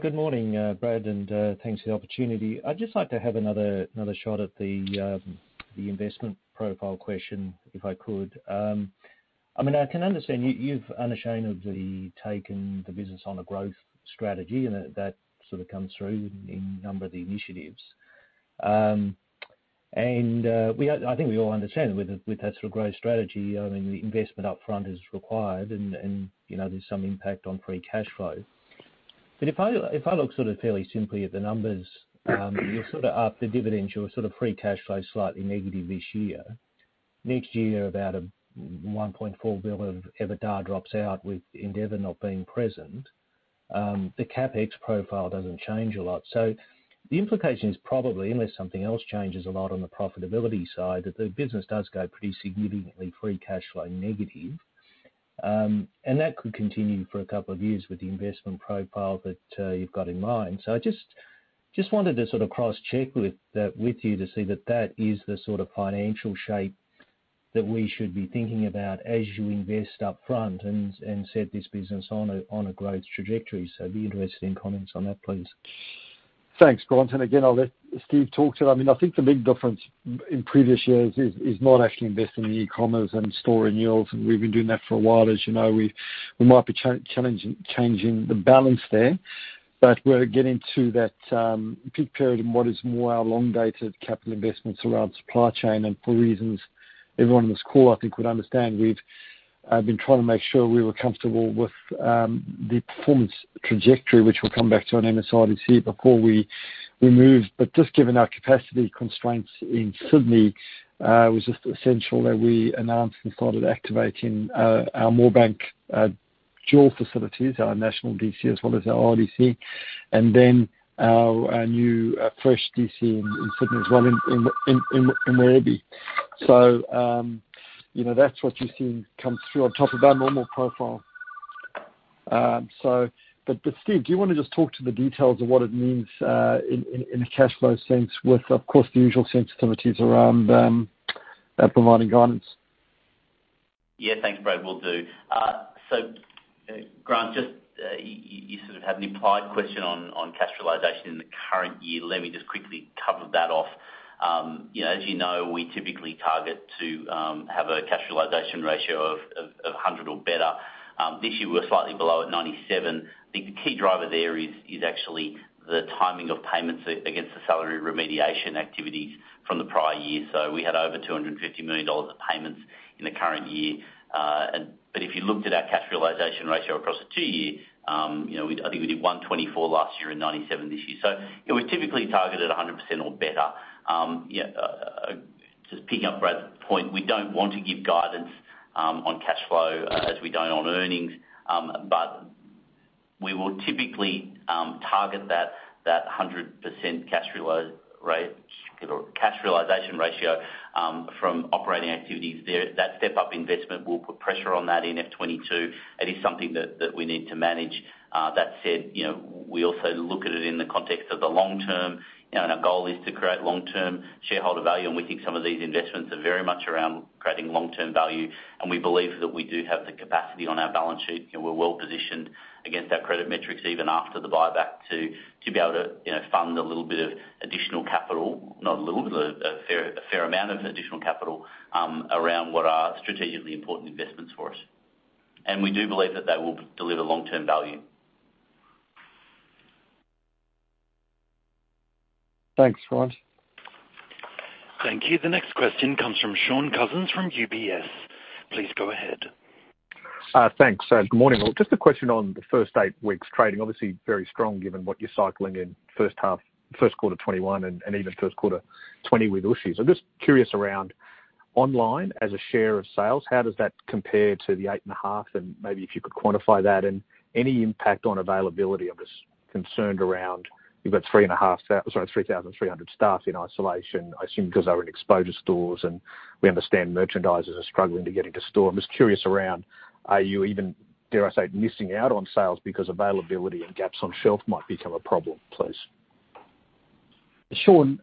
Good morning, Brad, and thanks for the opportunity. I'd just like to have another shot at the investment profile question, if I could. I can understand you've unashamedly taken the business on a growth strategy, and that sort of comes through in a number of the initiatives. I think we all understand with that sort of growth strategy, the investment upfront is required and there's some impact on free cash flow. If I look fairly simply at the numbers, you're up the dividend, your free cash flow is slightly negative this year. Next year, about 1.4 billion of EBITDA drops out with Endeavour not being present. The CapEx profile doesn't change a lot. The implication is probably, unless something else changes a lot on the profitability side, that the business does go pretty significantly free cash flow negative. That could continue for a couple of years with the investment profile that you've got in mind. I just wanted to sort of cross-check with you to see that that is the sort of financial shape that we should be thinking about as you invest upfront and set this business on a growth trajectory. I'd be interested in comments on that, please. Thanks, Grant. Again, I'll let Steve talk to that. I think the big difference in previous years is not actually investing in e-commerce and store renewals. We've been doing that for a while. As you know, we might be changing the balance there, but we're getting to that peak period in what is more our long-dated capital investments around supply chain. For reasons everyone on this call, I think, would understand, we've been trying to make sure we were comfortable with the performance trajectory, which we'll come back to on MSRDC before we move. Just given our capacity constraints in Sydney, it was just essential that we announced and started activating our Moorebank dual facilities, our national DC, as well as our RDC, and then our new fresh DC in Sydney as well in Moorebank. That's what you're seeing come through on top of our normal profile. Steve, do you want to just talk to the details of what it means in a cash flow sense with, of course, the usual sensitivities around providing guidance? Thanks, Brad. Will do. Grant, you sort of had an implied question on cash realization in the current year. Let me just quickly cover that off. As you know, we typically target to have a cash realization ratio of 100 or better. This year, we're slightly below at 97. I think the key driver there is actually the timing of payments against the salary remediation activities from the prior year. We had over 250 million dollars of payments in the current year. If you looked at our cash realization ratio across the two-year, I think we did 124 last year and 97 this year. We typically target at 100% or better. Just picking up Brad's point, we don't want to give guidance on cash flow as we don't on earnings. We will typically target that 100% Cash realization ratio from operating activities there. That step-up investment will put pressure on that in FY 2022. It is something that we need to manage. That said, we also look at it in the context of the long term, and our goal is to create long-term shareholder value, and we think some of these investments are very much around creating long-term value. We believe that we do have the capacity on our balance sheet, we're well-positioned against our credit metrics, even after the buyback, to be able to fund a little bit of additional capital, not a little, but a fair amount of additional capital, around what are strategically important investments for us. We do believe that they will deliver long-term value. Thanks, Grant. Thank you. The next question comes from Shaun Cousins from UBS. Please go ahead. Thanks. Good morning. Just a question on the first 8 weeks trading. Obviously very strong given what you're cycling in first quarter 2021 and even first quarter 2020 with issues. I'm just curious around online as a share of sales, how does that compare to the 8.5%? Maybe if you could quantify that. Any impact on availability. I'm just concerned around, you've got 3,300 staff in isolation, I assume because they were in exposure stores, and we understand merchandisers are struggling to get into store. I'm just curious around, are you even, dare I say, missing out on sales because availability and gaps on shelf might become a problem, please? Shaun,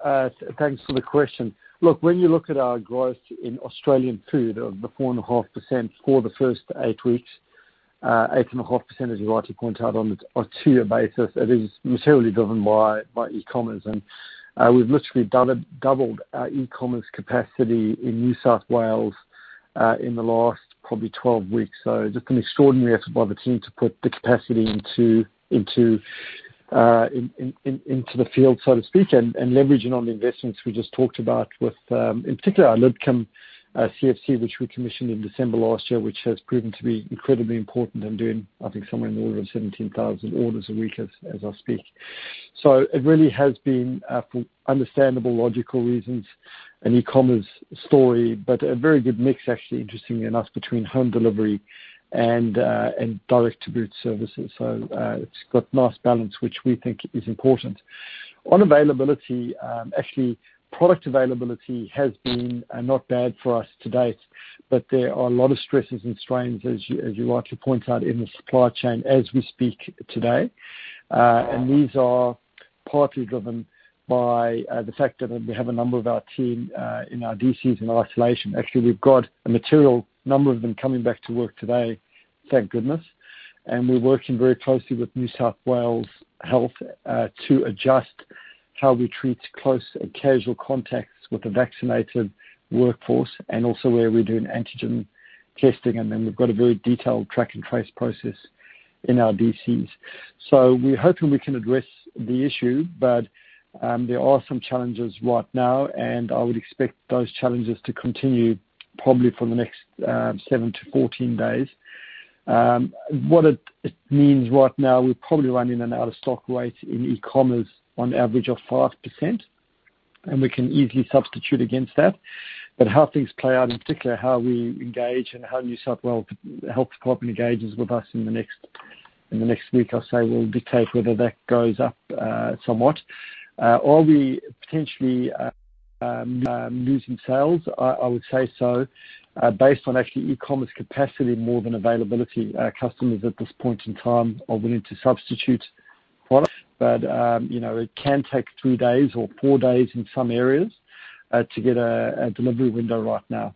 thanks for the question. When you look at our growth in Australian Food of the 4.5% for the first eight weeks, 8.5%, as you rightly point out, on a two-year basis, it is materially driven by e-commerce. We've literally doubled our e-commerce capacity in New South Wales, in the last probably 12 weeks. Just an extraordinary effort by the team to put the capacity into the field, so to speak, and leveraging on the investments we just talked about with, in particular our Lidcombe CFC, which we commissioned in December last year, which has proven to be incredibly important and doing, I think, somewhere in the order of 17,000 orders a week as I speak. It really has been, for understandable, logical reasons, an e-commerce story, but a very good mix, actually, interestingly enough, between home delivery and direct to boot services. It's got nice balance, which we think is important. On availability, actually, product availability has been not bad for us to date, but there are a lot of stresses and strains, as you rightly point out, in the supply chain as we speak today. These are partly driven by the fact that we have a number of our team in our DCs in isolation. Actually, we've got a material number of them coming back to work today, thank goodness. We're working very closely with New South Wales Health to adjust how we treat close and casual contacts with the vaccinated workforce and also where we're doing antigen testing. We've got a very detailed track and trace process in our DCs. We're hoping we can address the issue, but there are some challenges right now, and I would expect those challenges to continue probably for the next seven-14 days. What it means right now, we're probably running an out-of-stock rate in e-commerce on average of 5%, and we can easily substitute against that. How things play out, in particular how we engage and how New South Wales Health properly engages with us in the next week, I'll say, will dictate whether that goes up somewhat. Are we potentially losing sales? I would say so, based on actually e-commerce capacity more than availability. Our customers at this point in time are willing to substitute products. It can take two days or four days in some areas, to get a delivery window right now.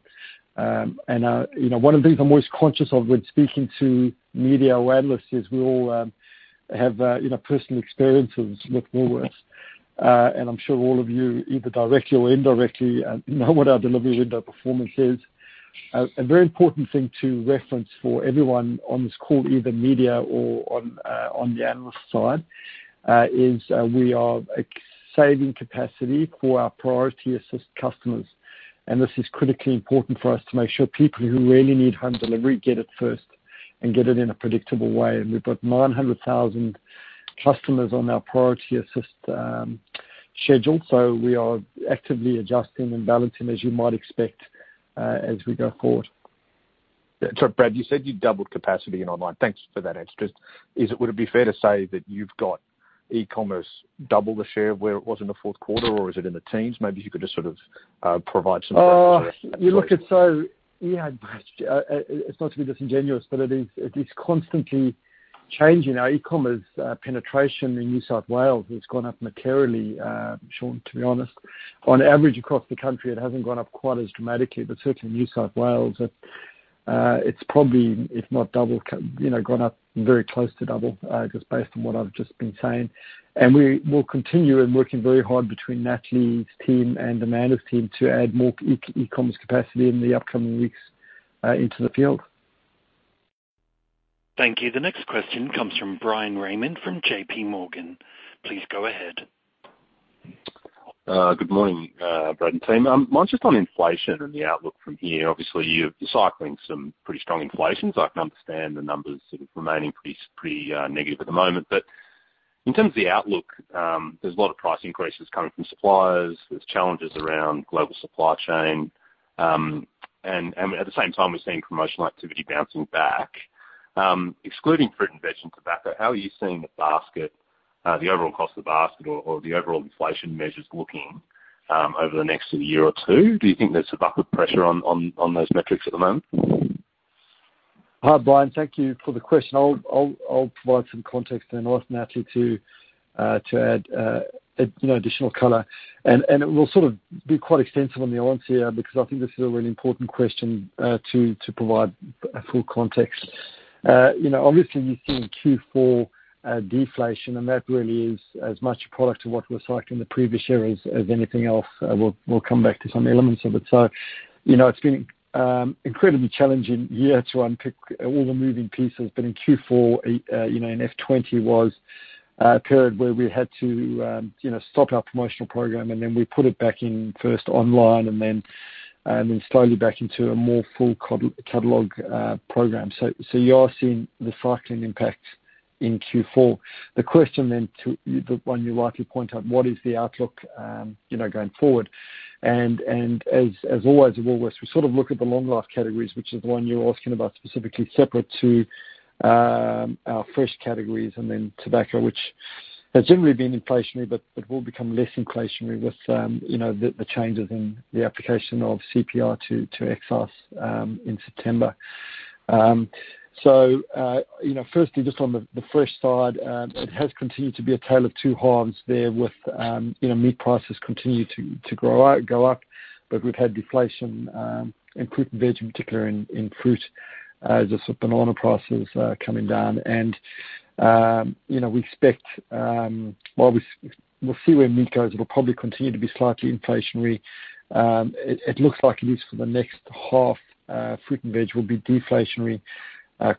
One of the things I'm always conscious of when speaking to media or analysts is we all have personal experiences with Woolworths. I'm sure all of you, either directly or indirectly, know what our delivery window performance is. A very important thing to reference for everyone on this call, either media or on the analyst side, is we are saving capacity for our priority assist customers. This is critically important for us to make sure people who really need home delivery get it first and get it in a predictable way. We've got 900,000 customers on our priority assist schedule. We are actively adjusting and balancing as you might expect, as we go forward. Sorry, Brad, you said you doubled capacity in online. Thank you for that answer. Would it be fair to say that you've got e-commerce double the share of where it was in the fourth quarter, or is it in the teens? Maybe if you could just sort of provide some direction there. It's not to be disingenuous, but it is constantly changing. Our e-commerce penetration in New South Wales has gone up materially, Shaun, to be honest. On average across the country, it hasn't gone up quite as dramatically, but certainly in New South Wales, it's probably, if not double, gone up very close to double, just based on what I've just been saying. We will continue in working very hard between Natalie team and Amanda's team to add more e-commerce capacity in the upcoming weeks into the field. Thank you. The next question comes from Bryan Raymond from JPMorgan. Please go ahead. Good morning, Brad and team. Mine's just on inflation and the outlook from here. Obviously, you're cycling some pretty strong inflations. I can understand the numbers sort of remaining pretty negative at the moment. In terms of the outlook, there's a lot of price increases coming from suppliers. There's challenges around global supply chain. At the same time, we're seeing promotional activity bouncing back. Excluding fruit and veg and tobacco, how are you seeing the overall cost of the basket or the overall inflation measures looking over the next year or two? Do you think there's a bucket pressure on those metrics at the moment? Hi, Bryan. Thank you for the question. I'll provide some context and I'll ask Natalie to add additional color. It will be quite extensive on the answer, because I think this is a really important question to provide a full context. Obviously you've seen Q4 deflation, and that really is as much a product of what we saw in the previous year as anything else. We'll come back to some elements of it. It's been incredibly challenging year to unpick all the moving pieces, but in Q4, and FY 2020 was a period where we had to stop our promotional program, and then we put it back in first online and then slowly back into a more full catalog program. You are seeing the cycling impact in Q4. The question then, the one you rightly point out, what is the outlook going forward? As always at Woolworths, we look at the long life categories, which is the one you are asking about specifically, separate to our fresh categories and then tobacco, which has generally been inflationary, but will become less inflationary with the changes in the application of CPI to excise in September. Firstly just on the fresh side, it has continued to be a tale of two halves there with meat prices continue to go up, but we have had deflation in fruit and veg, in particular in fruit, just with banana prices coming down. We expect, we will see where meat goes. It will probably continue to be slightly inflationary. It looks like at least for the next half, fruit and veg will be deflationary.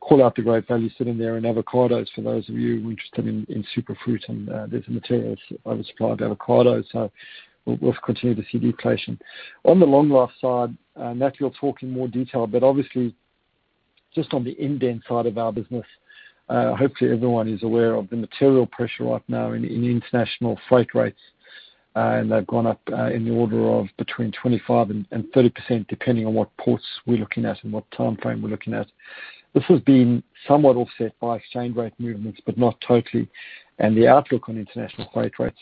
Call out the great value sitting there in avocados for those of you who are interested in super fruit and there's a material oversupply of avocados, so we'll continue to see deflation. On the long life side, Natalie will talk in more detail, but obviously just on the indent side of our business, hopefully everyone is aware of the material pressure right now in international freight rates. They've gone up in the order of between 25% and 30%, depending on what ports we're looking at and what timeframe we're looking at. This has been somewhat offset by exchange rate movements, but not totally. The outlook on international freight rates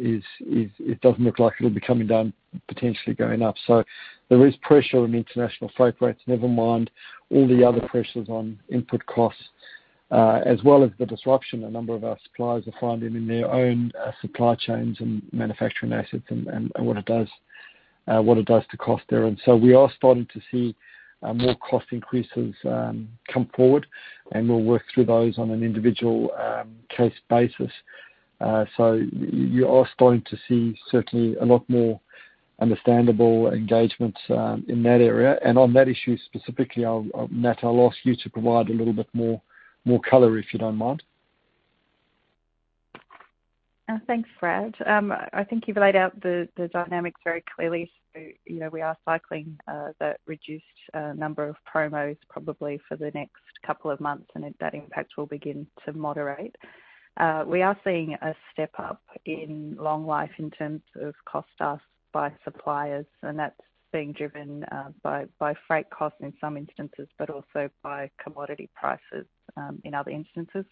is, it doesn't look like it'll be coming down, potentially going up. There is pressure on international freight rates, never mind all the other pressures on input costs, as well as the disruption a number of our suppliers are finding in their own supply chains and manufacturing assets and what it does to cost there. We are starting to see more cost increases come forward, and we'll work through those on an individual case basis. You are starting to see certainly a lot more understandable engagement in that area. On that issue specifically, Natalie, I'll ask you to provide a little bit more color, if you don't mind. Thanks, Brad. I think you've laid out the dynamics very clearly. We are cycling that reduced number of promos probably for the next couple of months, and that impact will begin to moderate. We are seeing a step up in long life in terms of cost asks by suppliers, and that's being driven by freight costs in some instances, but also by commodity prices in other instances.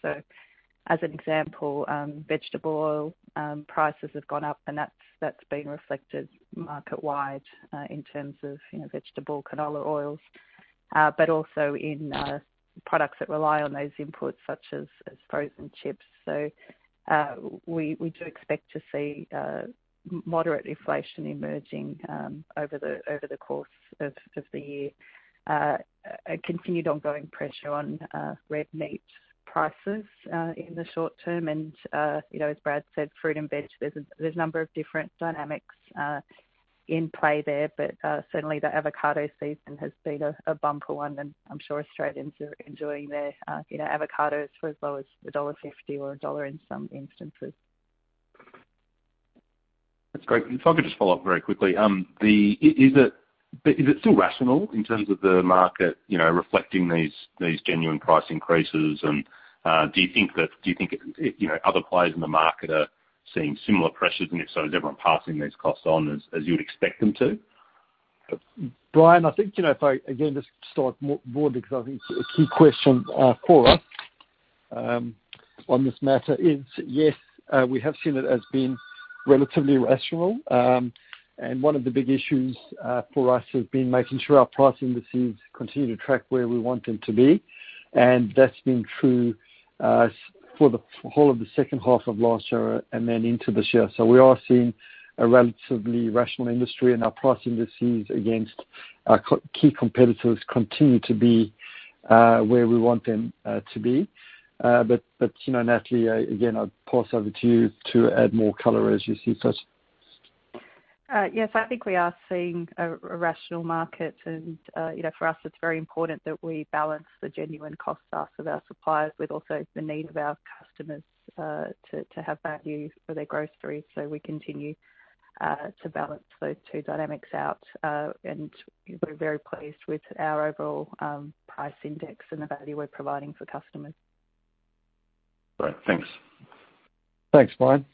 As an example, vegetable oil prices have gone up, and that's been reflected market-wide, in terms of vegetable canola oils. Also in products that rely on those inputs, such as frozen chips. We do expect to see moderate inflation emerging over the course of the year. A continued ongoing pressure on red meat prices in the short term. As Brad said, fruit and veg, there's a number of different dynamics in play there, but certainly the avocado season has been a bumper one, and I'm sure Australians are enjoying their avocados for as low as dollar 1.50 or AUD 1 in some instances. That's great. If I could just follow up very quickly. Is it still rational in terms of the market reflecting these genuine price increases and do you think other players in the market are seeing similar pressures? If so, is everyone passing these costs on as you'd expect them to? Bryan, I think if I again just start more broad, because I think it's a key question for us on this matter is, yes, we have seen it as being relatively rational. One of the big issues for us has been making sure our price indices continue to track where we want them to be. That's been true for the whole of the second half of last year and then into this year. We are seeing a relatively rational industry and our price indices against our key competitors continue to be where we want them to be. Natalie, again, I'll pass over to you to add more color as you see fit. Yes, I think we are seeing a rational market and for us it's very important that we balance the genuine costs asks of our suppliers with also the need of our customers to have value for their groceries. We continue to balance those two dynamics out. We're very pleased with our overall price index and the value we're providing for customers. Right. Thanks. Thanks, Bryan.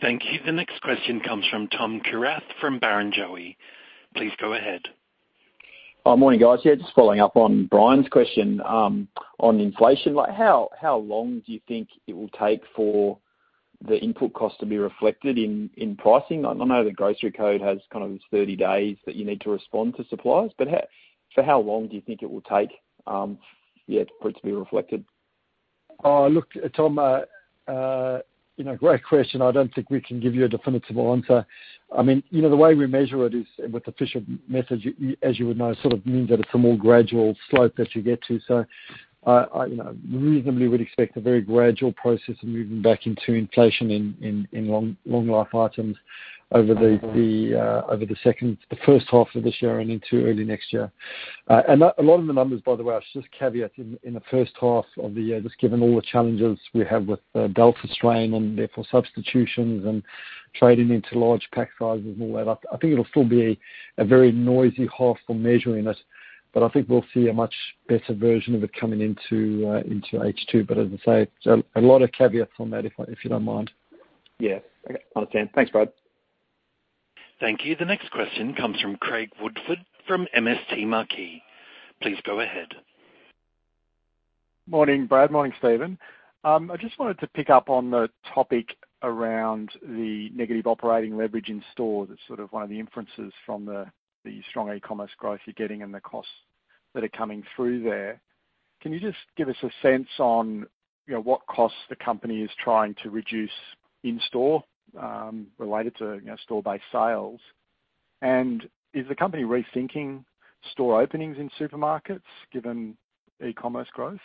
Thank you. The next question comes from Tom Kierath from Barrenjoey. Please go ahead. Morning, guys. Yeah, just following up on Bryan's question on inflation. How long do you think it will take for the input cost to be reflected in pricing? I know the Grocery Code has kind of this 30 days that you need to respond to suppliers, for how long do you think it will take for it to be reflected? Look, Tom, great question. I don't think we can give you a definitive answer. The way we measure it is with official methods, as you would know, sort of means that it's a more gradual slope that you get to. I reasonably would expect a very gradual process of moving back into inflation in long-life items over the first half of this year and into early next year. A lot of the numbers, by the way, I'll just caveat, in the first half of the year, just given all the challenges we have with the Delta strain and therefore substitutions and trading into large pack sizes and all that, I think it'll still be a very noisy half for measuring it. I think we'll see a much better version of it coming into H2. As I say, a lot of caveats on that, if you don't mind. Yeah. Okay. Understand. Thanks, Brad. Thank you. The next question comes from Craig Woolford from MST Marquee. Please go ahead. Morning, Brad. Morning, Stepehn. I just wanted to pick up on the topic around the negative operating leverage in store. That's sort of one of the inferences from the strong e-commerce growth you're getting and the costs that are coming through there. Can you just give us a sense on what costs the company is trying to reduce in-store, related to store-based sales? Is the company rethinking store openings in supermarkets given e-commerce growth?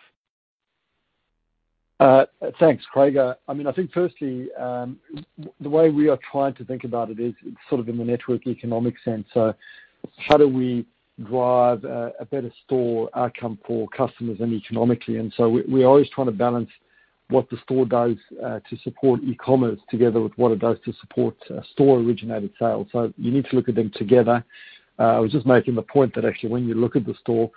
Thanks, Craig. I think firstly, the way we are trying to think about it is sort of in the network economic sense. How do we drive a better store outcome for customers and economically? We're always trying to balance what the store does to support e-commerce together with what it does to support store-originated sales. You need to look at them together. I was just making the point that actually, when you look at the store,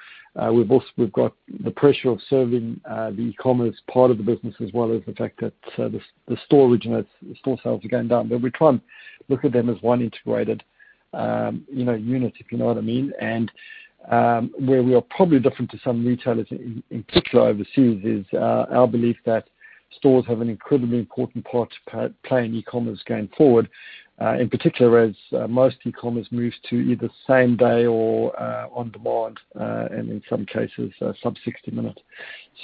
we've got the pressure of serving the e-commerce part of the business, as well as the fact that the store sales are going down. We try and look at them as one integrated unit, if you know what I mean. Where we are probably different to some retailers, in particular overseas, is our belief that stores have an incredibly important part to play in e-commerce going forward. As most e-commerce moves to either same-day or on-demand, and in some cases, sub 60-minute.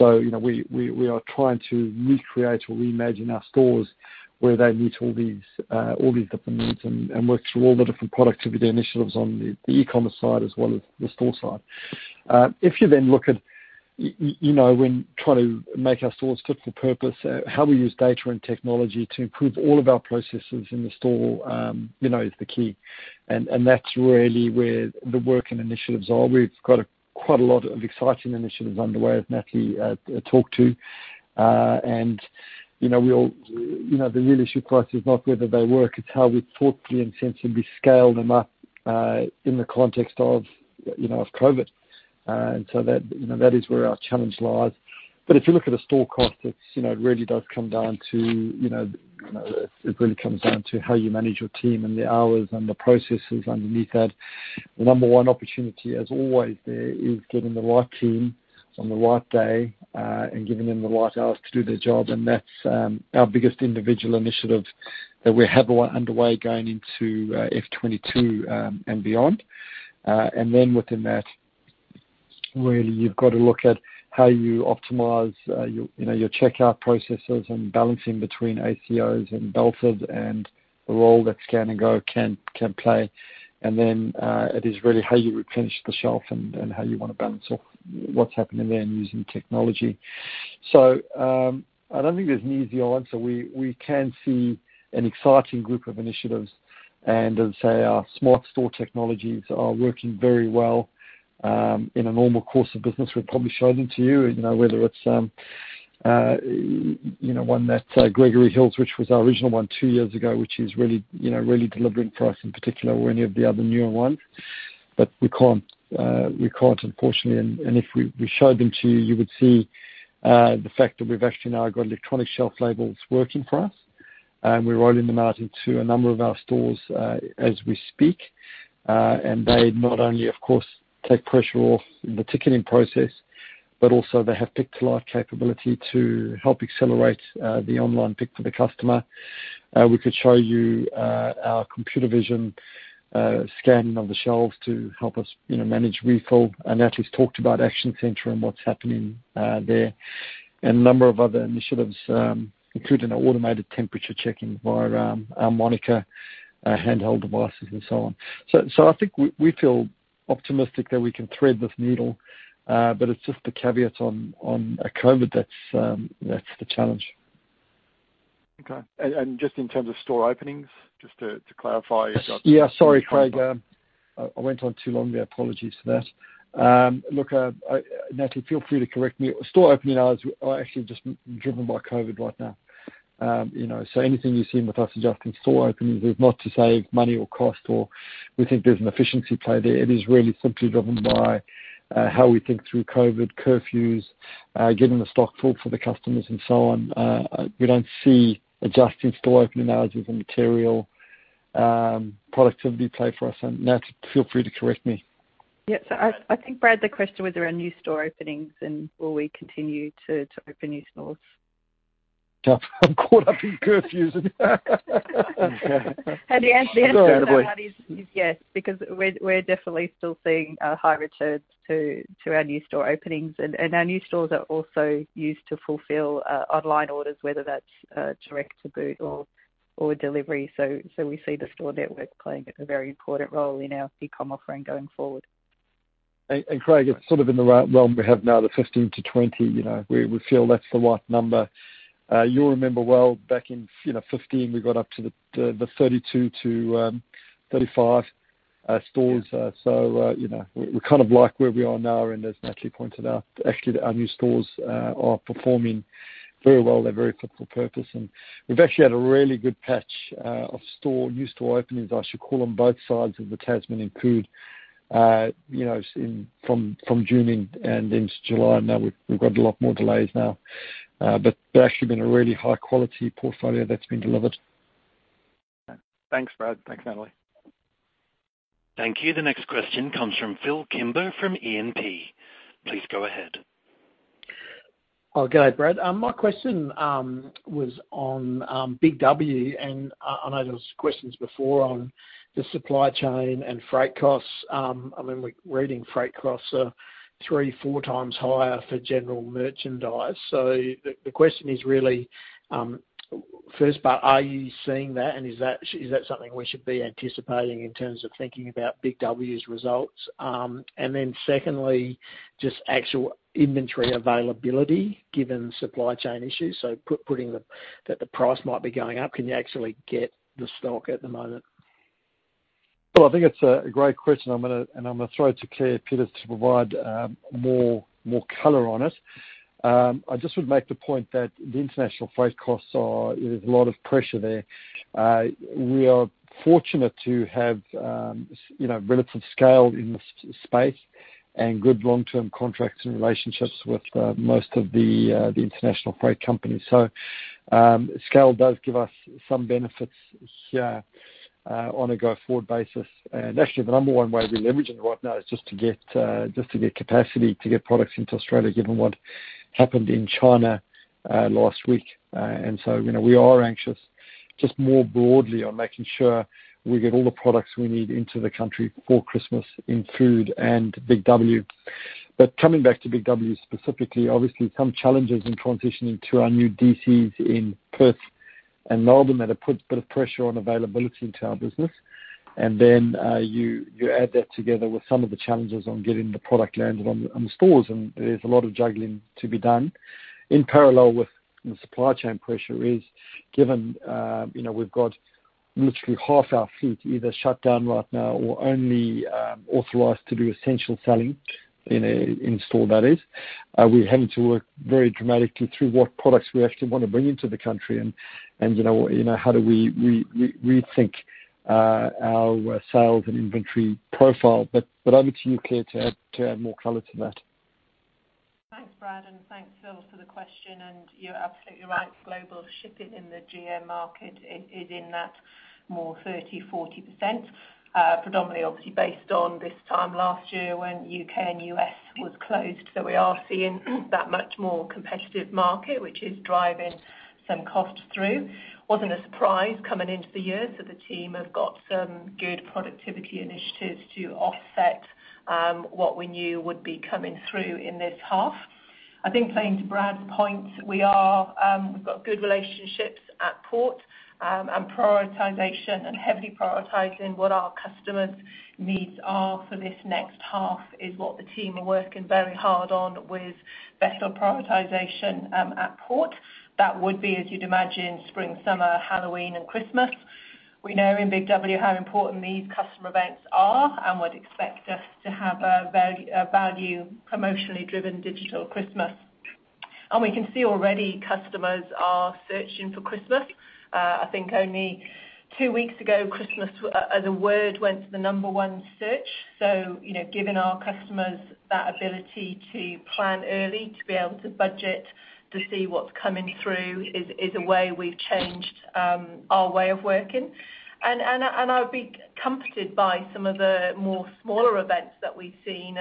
We are trying to recreate or reimagine our stores where they meet all these different needs and work through all the different productivity initiatives on the e-commerce side as well as the store side. If you then look at when trying to make our stores fit for purpose, how we use data and technology to improve all of our processes in the store is the key, and that's really where the work and initiatives are. We've got quite a lot of exciting initiatives underway, as Natalie talked to. The real issue, of course, is not whether they work, it's how we thoughtfully and sensibly scale them up in the context of COVID. That is where our challenge lies. If you look at a store concept, it really comes down to how you manage your team and the hours and the processes underneath that. The number one opportunity, as always, there is getting the right team on the right day and giving them the right hours to do their job. That's our biggest individual initiative that we have underway going into FY 2022 and beyond. Then within that, really you've got to look at how you optimize your checkout processes and balancing between ACOs and Belted and the role that Scan&Go can play. Then it is really how you replenish the shelf and how you want to balance off what's happening there and using technology. I don't think there's an easy answer. We can see an exciting group of initiatives, and as I say, our smart store technologies are working very well. In a normal course of business, we'd probably show them to you, whether it's one that Gregory Hills, which was our original one, two years ago, which is really delivering for us in particular or any of the other newer ones. We can't, unfortunately. If we showed them to you would see the fact that we've actually now got electronic shelf labels working for us, and we're rolling them out into a number of our stores as we speak. They not only, of course, take pressure off the ticketing process, but also they have pick-to-light capability to help accelerate the online pick for the customer. We could show you our computer vision scanning of the shelves to help us manage refill. Natalie's talked about Action Centre and what's happening there, and a number of other initiatives, including automated temperature checking via our Monika handheld devices and so on. I think we feel optimistic that we can thread this needle. It's just the caveat on COVID that's the challenge. Okay. Just in terms of store openings, just to clarify- Sorry, Craig. I went on too long there. Apologies for that. Natalie, feel free to correct me. Store opening hours are actually just driven by COVID right now. Anything you've seen with us adjusting store openings is not to save money or cost or we think there's an efficiency play there. It is really simply driven by how we think through COVID curfews, getting the stock full for the customers and so on. We don't see adjusting store opening hours as a material productivity play for us. Natalie, feel free to correct me. Yeah. I think, Brad, the question was around new store openings and will we continue to open new stores? I'm caught up in curfews and The answer to that is yes, because we're definitely still seeing high returns to our new store openings. Our new stores are also used to fulfill online orders, whether that's Direct to boot or delivery. We see the store network playing a very important role in our e-com offering going forward. Craig, it's sort of in the realm we have now, the 15-20. We feel that's the right number. You'll remember well back in 2015 we got up to the 32-35 stores. We're kind of like where we are now, and as Natalie pointed out, actually, our new stores are performing very well. They're very fit for purpose. We've actually had a really good patch of new store openings, I should call them, both sides of the Tasman include from June and into July. We've got a lot more delays now. They've actually been a really high-quality portfolio that's been delivered. Thanks, Brad. Thanks, Natalie. Thank you. The next question comes from Phillip Kimber from E&P. Please go ahead. Good day, Brad. My question was on BIG W, and I know there was questions before on the supply chain and freight costs. I mean, we're reading freight costs are three, four times higher for general merchandise. The question is really, first part, are you seeing that, and is that something we should be anticipating in terms of thinking about BIG W's results? Secondly, just actual inventory availability given supply chain issues. Putting that the price might be going up, can you actually get the stock at the moment? Well, I think it's a great question, and I'm going to throw it to Claire Peters to provide more color on it. I just would make the point that the international freight costs are, there's a lot of pressure there. We are fortunate to have relative scale in this space and good long-term contracts and relationships with most of the international freight companies. Scale does give us some benefits here on a go-forward basis. Actually, the number one way we're leveraging right now is just to get capacity to get products into Australia, given what happened in China last week. We are anxious just more broadly on making sure we get all the products we need into the country for Christmas in food and BIG W. Coming back to BIG W specifically, obviously some challenges in transitioning to our new DCs in Perth and Melbourne that have put a bit of pressure on availability into our business. You add that together with some of the challenges on getting the product landed on the stores, and there's a lot of juggling to be done. In parallel with the supply chain pressure is given we've got literally half our fleet either shut down right now or only authorized to do essential selling in store that is. We're having to work very dramatically through what products we actually want to bring into the country and how do we rethink our sales and inventory profile. Over to you, Claire, to add more color to that. Thanks, Brad, and thanks, Phil, for the question. You're absolutely right. Global shipping in the GM market is in that more 30%-40%, predominantly, obviously, based on this time last year when U.K. and U.S. was closed. We are seeing that much more competitive market, which is driving some costs through. Wasn't a surprise coming into the year. The team have got some good productivity initiatives to offset what we knew would be coming through in this half. I think playing to Brad's point, we've got good relationships at port, and prioritization and heavily prioritizing what our customers' needs are for this next half is what the team are working very hard on with vessel prioritization at port. That would be, as you'd imagine, spring, summer, Halloween, and Christmas. We know in BIG W how important these customer events are and would expect us to have a value promotionally driven digital Christmas. We can see already customers are searching for Christmas. I think only two weeks ago, Christmas as a word went to the number 1 search. Giving our customers that ability to plan early, to be able to budget, to see what's coming through is a way we've changed our way of working. I would be comforted by some of the more smaller events that we've seen.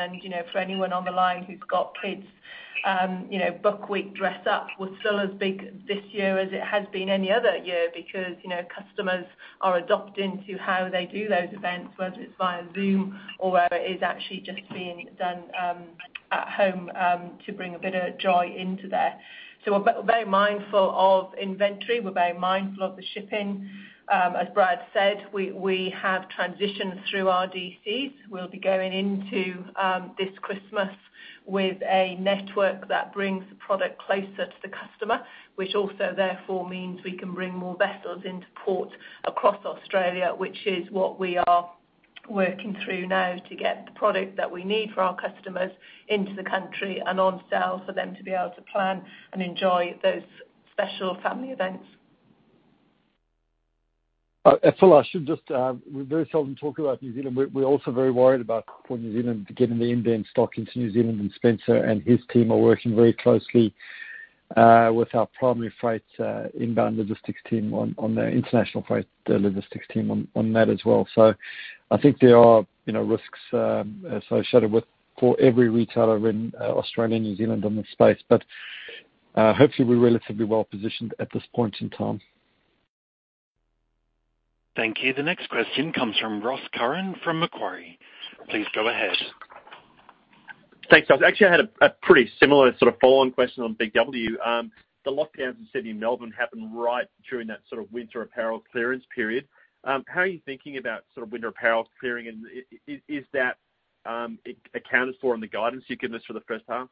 For anyone on the line who's got kids, Book Week Dress Up was still as big this year as it has been any other year because customers are adapting to how they do those events, whether it's via Zoom or whether it is actually just being done at home to bring a bit of joy into there. We're very mindful of inventory. We're very mindful of the shipping. As Brad said, we have transitioned through our DCs. We'll be going into this Christmas with a network that brings the product closer to the customer, which also therefore means we can bring more vessels into port across Australia, which is what we are working through now to get the product that we need for our customers into the country and on sale for them to be able to plan and enjoy those special family events. Phil, we very seldom talk about New Zealand. We're also very worried about port New Zealand getting the inbound stock into New Zealand, and Spencer and his team are working very closely with our primary freight inbound logistics team on the international freight logistics team on that as well. I think there are risks for every retailer in Australia and New Zealand in this space. Hopefully, we're relatively well-positioned at this point in time. Thank you. The next question comes from Ross Curran from Macquarie. Please go ahead. Thanks. I actually had a pretty similar sort of follow-on question on BIG W. The lockdowns in Sydney and Melbourne happened right during that sort of winter apparel clearance period. How are you thinking about winter apparel clearing, and is that accounted for in the guidance you've given us for the first half?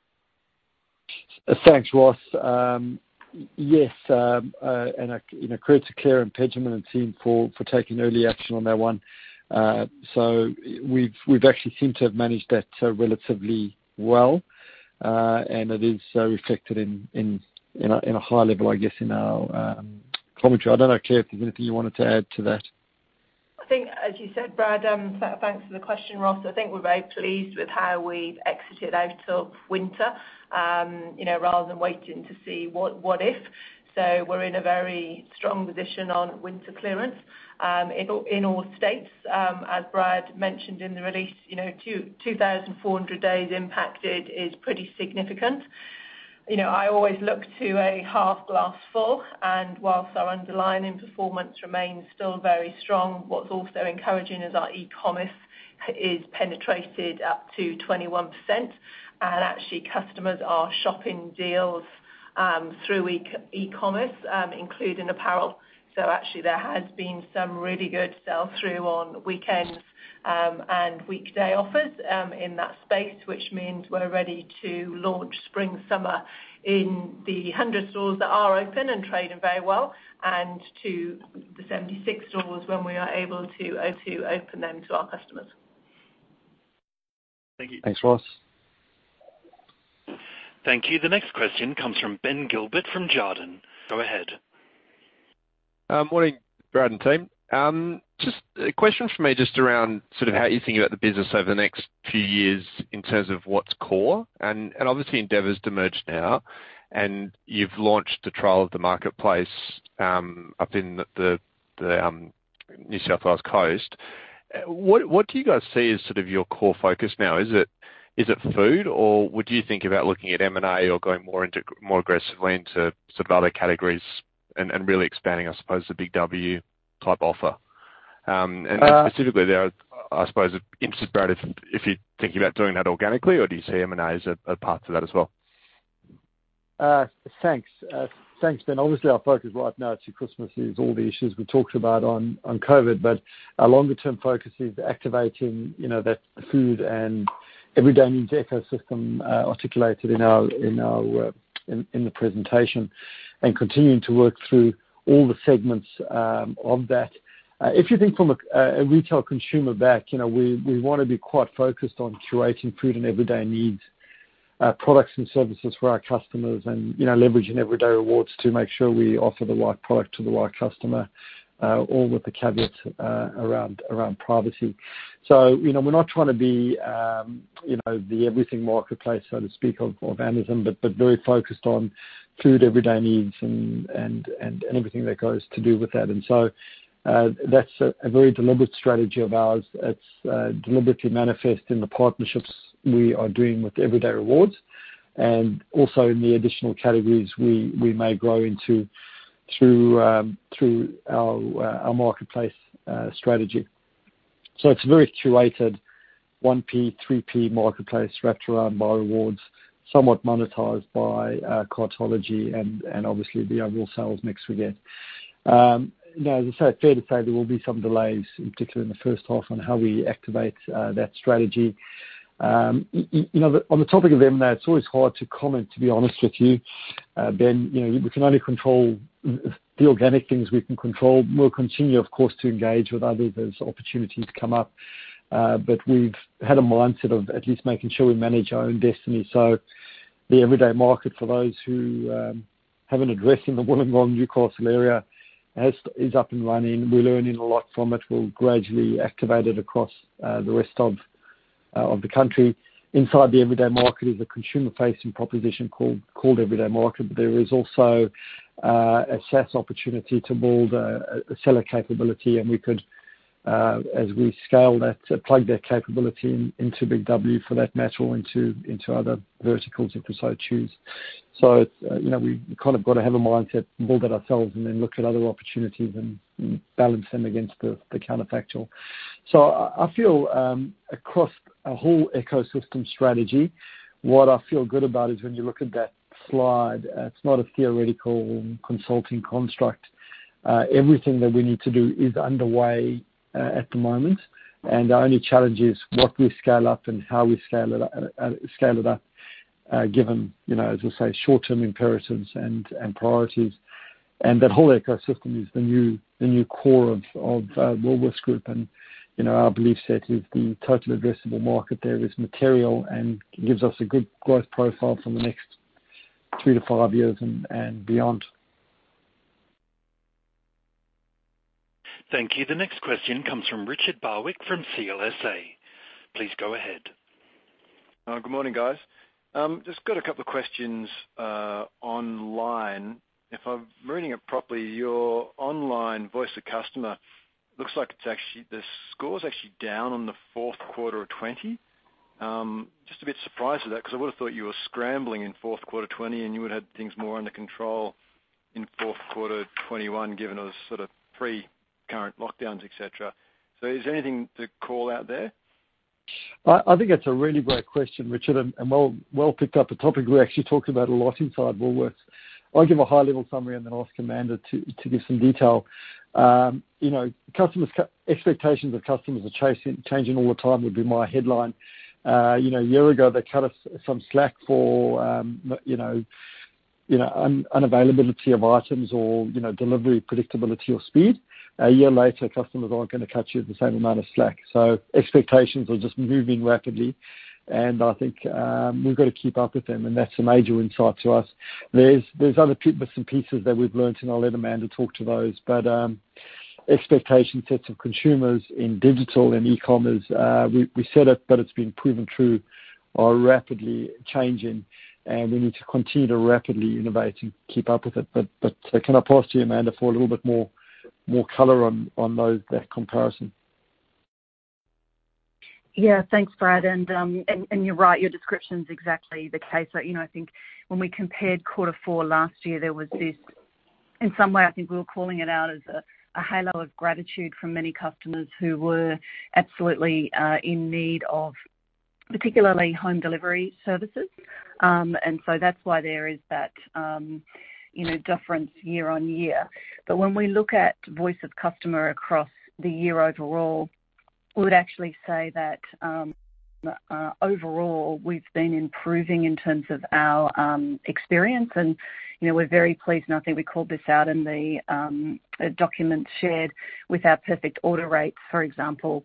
Thanks, Ross. Yes. Credit to Claire and Pejman and team for taking early action on that one. We've actually seemed to have managed that relatively well, and it is reflected in a high level, I guess, in our commentary. I don't know, Claire, if there's anything you wanted to add to that. I think, as you said, Brad, thanks for the question, Ross. I think we're very pleased with how we've exited out of winter, rather than waiting to see what if. We're in a very strong position on winter clearance, in all states. As Brad mentioned in the release, 2,400 days impacted is pretty significant. I always look to a half glass full, and whilst our underlying performance remains still very strong, what's also encouraging is our e-commerce is penetrated up to 21%. Actually customers are shopping deals through e-commerce, including apparel. Actually there has been some really good sell-through on weekends, and weekday offers, in that space, which means we're ready to launch spring/summer in the 100 stores that are open and trading very well, and to the 76 stores when we are able to open them to our customers. Thank you. Thanks, Ross. Thank you. The next question comes from Ben Gilbert from Jarden. Go ahead. Morning, Brad and team. Just a question from me just around how you think about the business over the next few years in terms of what's core. Obviously Endeavour's demerged now, and you've launched the trial of the marketplace, up in the New South Wales coast. What do you guys see as your core focus now? Is it food, or would you think about looking at M&A or going more aggressively into other categories and really expanding, I suppose the BIG W type offer? Specifically there, I suppose, interested, Brad, if you're thinking about doing that organically or do you see M&A as a path to that as well? Thanks. Thanks, Ben. Obviously, our focus right now through Christmas is all the issues we talked about on COVID, but our longer-term focus is activating that food and everyday needs ecosystem articulated in the presentation, and continuing to work through all the segments of that. If you think from a retail consumer back, we want to be quite focused on curating food and everyday needs, products and services for our customers and leveraging Everyday Rewards to make sure we offer the right product to the right customer, all with the caveat around privacy. We're not trying to be the everything marketplace, so to speak, of Amazon, but very focused on food, everyday needs and everything that goes to do with that. That's a very deliberate strategy of ours. It is deliberately manifest in the partnerships we are doing with Everyday Rewards and also in the additional categories we may grow into through our marketplace strategy. It is a very curated 1P, 3P marketplace wrapped around by rewards, somewhat monetized by Cartology and obviously the overall sales mix we get. As I say, fair to say, there will be some delays, particularly in the first half on how we activate that strategy. On the topic of M&A, it is always hard to comment, to be honest with you, Ben. We can only control the organic things we can control. We will continue, of course, to engage with others as opportunities come up. We have had a mindset of at least making sure we manage our own destiny. The Everyday Market for those who have an address in the Wollongong, Newcastle area is up and running. We're learning a lot from it. We'll gradually activate it across the rest of the country. Inside the Everyday Market is a consumer-facing proposition called Everyday Market. There is also a SaaS opportunity to build a seller capability, and we could, as we scale that, plug that capability into BIG W for that matter, or into other verticals if we so choose. We've kind of got to have a mindset, build it ourselves, and then look at other opportunities and balance them against the counterfactual. I feel, across a whole ecosystem strategy, what I feel good about is when you look at that slide, it's not a theoretical consulting construct. Everything that we need to do is underway at the moment, and our only challenge is what we scale up and how we scale it up, given, as I say, short-term imperatives and priorities. That whole ecosystem is the new core of Woolworths Group, and our belief set is the total addressable market there is material and gives us a good growth profile for the next two-five years and beyond. Thank you. The next question comes from Richard Barwick from CLSA. Please go ahead. Good morning, guys. I just got a couple of questions on line. If I'm reading it properly, your online voice of customer looks like the score's actually down on the fourth quarter of 2020. Just a bit surprised at that because I would've thought you were scrambling in fourth quarter 2020, and you would've had things more under control in fourth quarter 2021, given it was sort of pre-current lockdowns, et cetera. Is there anything to call out there? I think that's a really great question, Richard, and well picked up. The topic we actually talked about a lot inside Woolworths. I'll give a high-level summary and then ask Amanda to give some detail. Expectations of customers are changing all the time would be my headline. A year ago, they cut us some slack for unavailability of items or delivery predictability or speed. A year later, customers aren't going to cut you the same amount of slack. Expectations are just moving rapidly, and I think we've got to keep up with them, and that's a major insight to us. There's other bits and pieces that we've learnt, and I'll let Amanda talk to those. Expectation sets of consumers in digital and e-commerce, we said it, but it's been proven true, are rapidly changing. We need to continue to rapidly innovate to keep up with it. Can I pass to you, Amanda, for a little bit more color on that comparison? Yeah. Thanks, Brad, and you're right. Your description's exactly the case. I think when we compared quarter four last year, there was this In some way, I think we were calling it out as a halo of gratitude from many customers who were absolutely in need of particularly home delivery services. That's why there is that difference year-on-year. When we look at voice of customer across the year overall, we would actually say that overall, we've been improving in terms of our experience, and we're very pleased, and I think we called this out in the document shared with our perfect order rates, for example.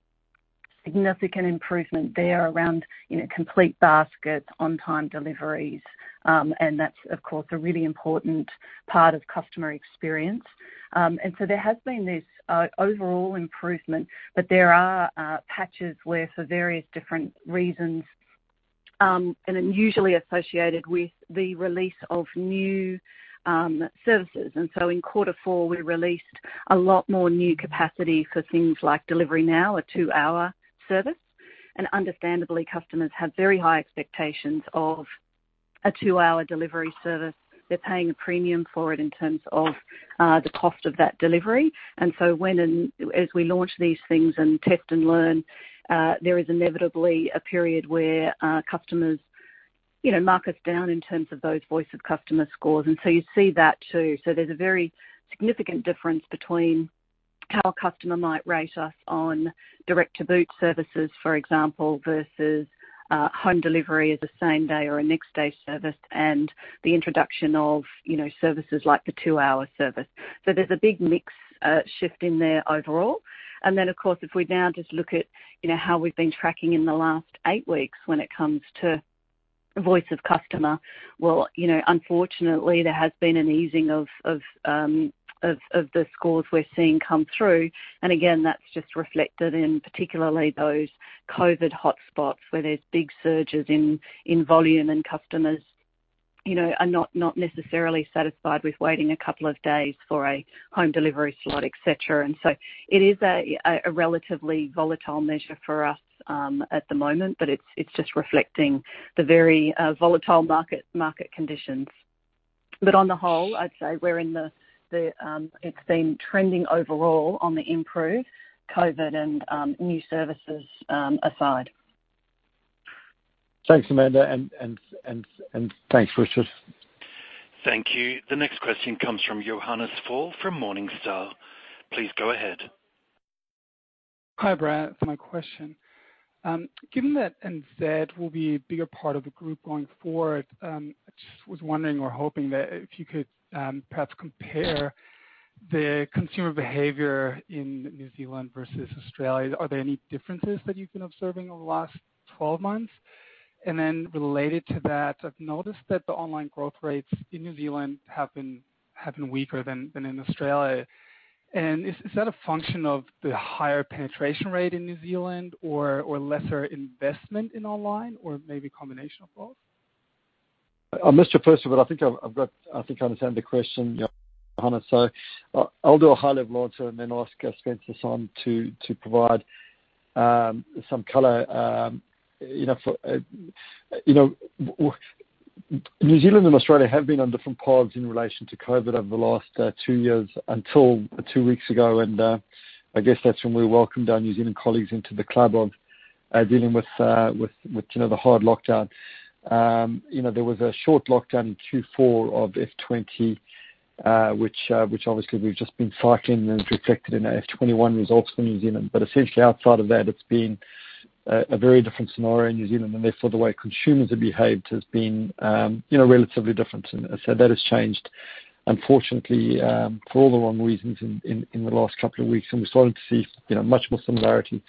Significant improvement there around complete basket on-time deliveries. That's, of course, a really important part of customer experience. There has been this overall improvement, but there are patches where, for various different reasons, and usually associated with the release of new services. In quarter four, we released a lot more new capacity for things like Delivery Now, a two-hour service. Understandably, customers have very high expectations of a two-hour delivery service. They're paying a premium for it in terms of the cost of that delivery. As we launch these things and test and learn, there is inevitably a period where customers mark us down in terms of those voice of customer scores. You see that, too. There's a very significant difference between how a customer might rate us on direct-to-boot services, for example, versus home delivery as a same-day or a next-day service and the introduction of services like the two-hour service. There's a big mix shift in there overall. Of course, if we now just look at how we've been tracking in the last 8 weeks when it comes to voice of customer. Unfortunately, there has been an easing of the scores we're seeing come through. Again, that's just reflected in particularly those COVID hotspots where there's big surges in volume and customers are not necessarily satisfied with waiting a couple of days for a home delivery slot, et cetera. It is a relatively volatile measure for us at the moment, but it's just reflecting the very volatile market conditions. On the whole, I'd say it's been trending overall on the improve, COVID and new services aside. Thanks, Amanda, and thanks, Richard. Thank you. The next question comes from Johannes Faul from Morningstar. Please go ahead. Hi, Brad. It's my question. Given that NZ will be a bigger part of the group going forward, I just was wondering or hoping that if you could perhaps compare the consumer behavior in New Zealand versus Australia. Are there any differences that you've been observing over the last 12 months? Related to that, I've noticed that the online growth rates in New Zealand have been weaker than in Australia. Is that a function of the higher penetration rate in New Zealand or lesser investment in online or maybe a combination of both? I missed your first, but I think I understand the question, Johannes. I'll do a high-level answer and then ask Spencer Sonn to provide some color. New Zealand and Australia have been on different paths in relation to COVID over the last two years until two weeks ago, and I guess that's when we welcomed our New Zealand colleagues into the club of dealing with the hard lockdown. There was a short lockdown in Q4 of FY 2020, which obviously we've just been cycling and is reflected in our FY 2021 results for New Zealand. Essentially outside of that, it's been a very different scenario in New Zealand, and therefore the way consumers have behaved has been relatively different. That has changed, unfortunately, for all the wrong reasons in the last couple of weeks, and we're starting to see much more similarity.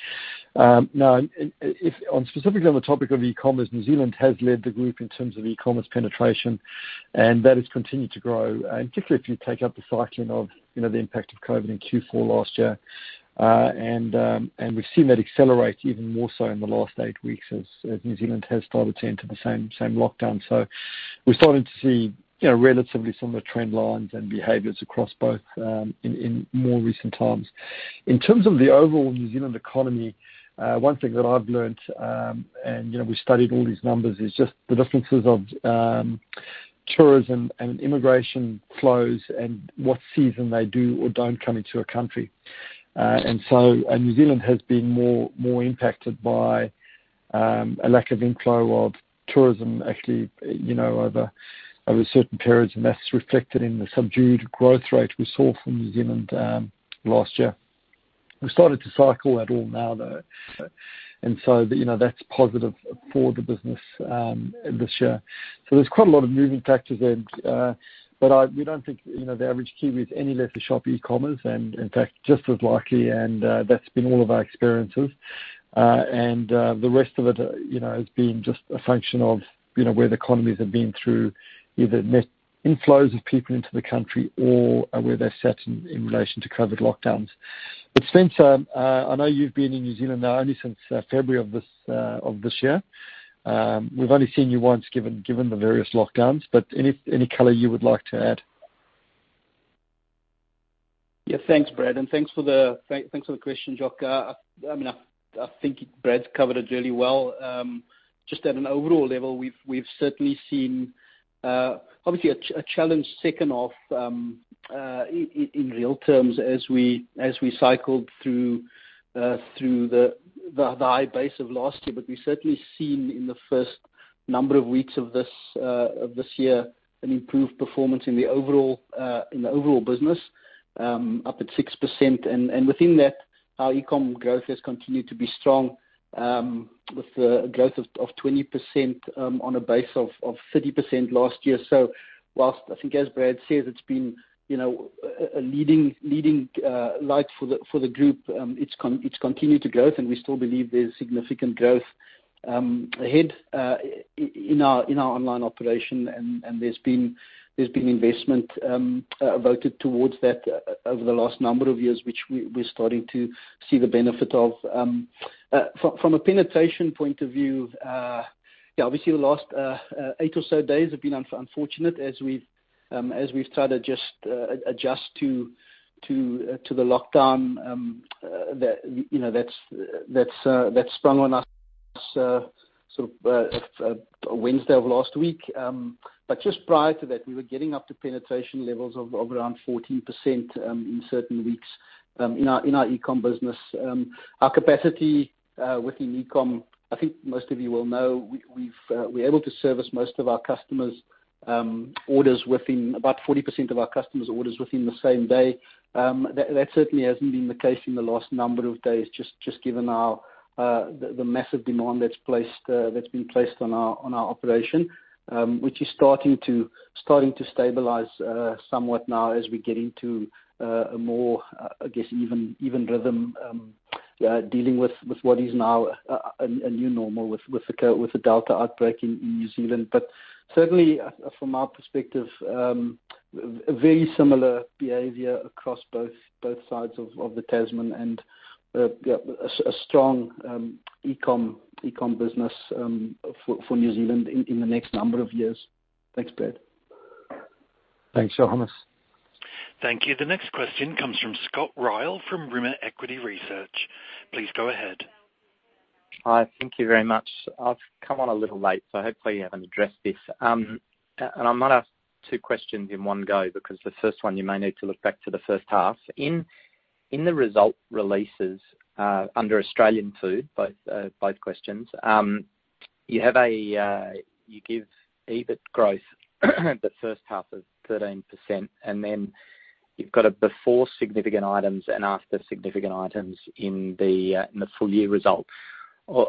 Now, specifically on the topic of e-commerce, New Zealand has led the group in terms of e-commerce penetration, and that has continued to grow, particularly if you take out the cycling of the impact of COVID in Q4 last year. We've seen that accelerate even more so in the last eight weeks as New Zealand has started to enter the same lockdown. We're starting to see relatively similar trend lines and behaviors across both in more recent times. In terms of the overall New Zealand economy, one thing that I've learned, and we studied all these numbers, is just the differences of tourism and immigration flows and what season they do or don't come into a country. New Zealand has been more impacted by a lack of inflow of tourism actually over certain periods. That's reflected in the subdued growth rate we saw from New Zealand last year. We're starting to cycle that all now, though. That's positive for the business this year. There's quite a lot of moving factors there. We don't think the average Kiwi is any less to shop e-commerce and in fact, just as likely, and that's been all of our experiences. The rest of it has been just a function of where the economies have been through either net inflows of people into the country or where they're set in relation to COVID lockdowns. Spence, I know you've been in New Zealand now only since February of this year. We've only seen you once given the various lockdowns, but any color you would like to add? Thanks, Brad, and thanks for the question, Jock. I think Brad's covered it really well. Just at an overall level, we've certainly seen obviously a challenge second half in real terms as we cycled through the high base of last year. We've certainly seen in the first number of weeks of this year an improved performance in the overall business, up at 6%. Within that, our e-com growth has continued to be strong with a growth of 20% on a base of 30% last year. Whilst I think, as Brad says, it's been a leading light for the group, it's continued to growth, and we still believe there's significant growth ahead in our online operation. There's been investment devoted towards that over the last number of years, which we're starting to see the benefit of. From a penetration point of view, obviously the last eight or so days have been unfortunate as we've tried to adjust to the lockdown that sprung on us Wednesday of last week. Just prior to that, we were getting up to penetration levels of around 14% in certain weeks in our e-com business. Our capacity within e-com, I think most of you will know, we're able to service most of our customers' orders within about 40% of our customers' orders within the same day. That certainly hasn't been the case in the last number of days, just given the massive demand that's been placed on our operation, which is starting to stabilize somewhat now as we get into a more, I guess, even rhythm dealing with what is now a new normal with the Delta outbreak in New Zealand. Certainly from our perspective, a very similar behavior across both sides of the Tasman and a strong e-com business for New Zealand in the next number of years. Thanks, Brad. Thanks, Johannes. Thank you. The next question comes from Scott Ryall, from Rimor Equity Research. Please go ahead. Hi. Thank you very much. I've come on a little late, so hopefully you haven't addressed this. I might ask two questions in one go, because the first one, you may need to look back to the first half. In the result releases under Australian Food, both questions, you give EBIT growth the first half of 13%, and then you've got a before significant items and after significant items in the full-year results.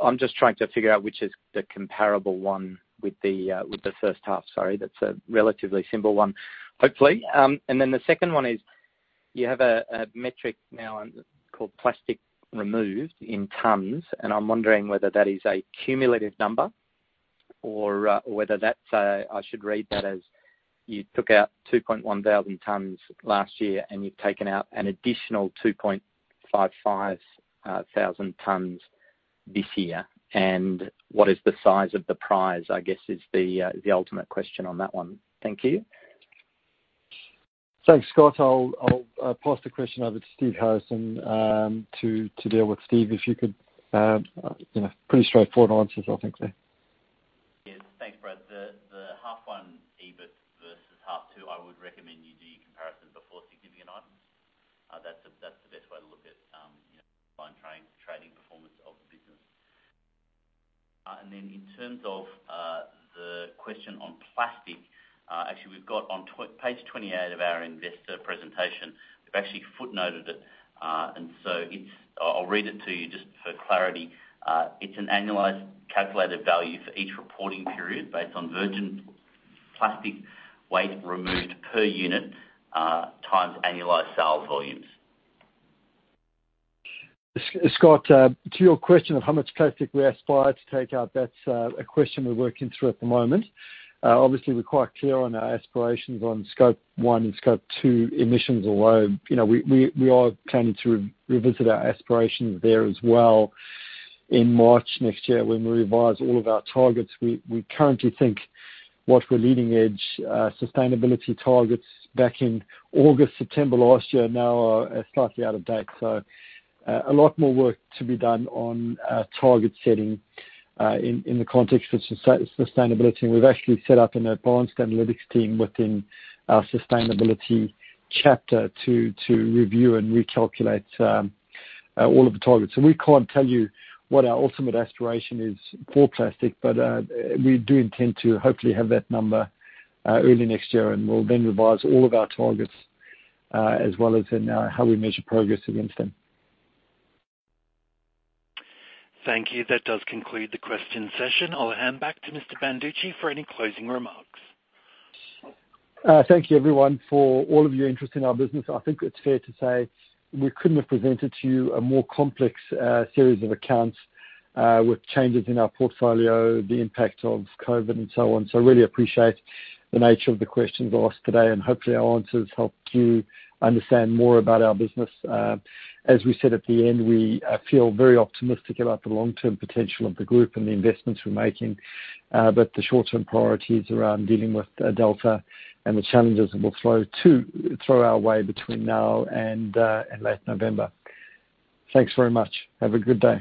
I'm just trying to figure out which is the comparable one with the first half. Sorry, that's a relatively simple one, hopefully. The second one is you have a metric now called plastic removed in tons, and I'm wondering whether that is a cumulative number or whether I should read that as you took out 2,100 tons last year and you've taken out an additional 2,550 tons this year. What is the size of the prize, I guess is the ultimate question on that one. Thank you. Thanks, Scott. I'll pass the question over to Steve Harrison to deal with. Steve, if you could. Pretty straightforward answers, I think there. Yeah. Thanks, Brad. The half one EBIT versus half two, I would recommend you do your comparison before significant items. In terms of the question on plastic, actually we've got on page 28 of our investor presentation, we've actually footnoted it. I'll read it to you just for clarity. It's an annualized calculated value for each reporting period based on virgin plastic weight removed per unit times annualized sale volumes. Scott, to your question of how much plastic we aspire to take out, that's a question we're working through at the moment. We're quite clear on our aspirations on Scope 1 and Scope 2 emissions, although we are planning to revisit our aspirations there as well in March next year when we revise all of our targets. We currently think what we're leading edge sustainability targets back in August, September last year now are slightly out of date. A lot more work to be done on target setting in the context of sustainability. We've actually set up an advanced analytics team within our sustainability chapter to review and recalculate all of the targets. We can't tell you what our ultimate aspiration is for plastic, but we do intend to hopefully have that number early next year, and we'll then revise all of our targets, as well as in how we measure progress against them. Thank you. That does conclude the question session. I'll hand back to Mr. Banducci for any closing remarks. Thank you everyone for all of your interest in our business. I think it's fair to say we couldn't have presented to you a more complex series of accounts with changes in our portfolio, the impact of COVID, and so on. I really appreciate the nature of the questions asked today, and hopefully our answers helped you understand more about our business. As we said at the end, we feel very optimistic about the long-term potential of the group and the investments we're making. The short-term priority is around dealing with Delta and the challenges that will flow our way between now and late November. Thanks very much. Have a good day.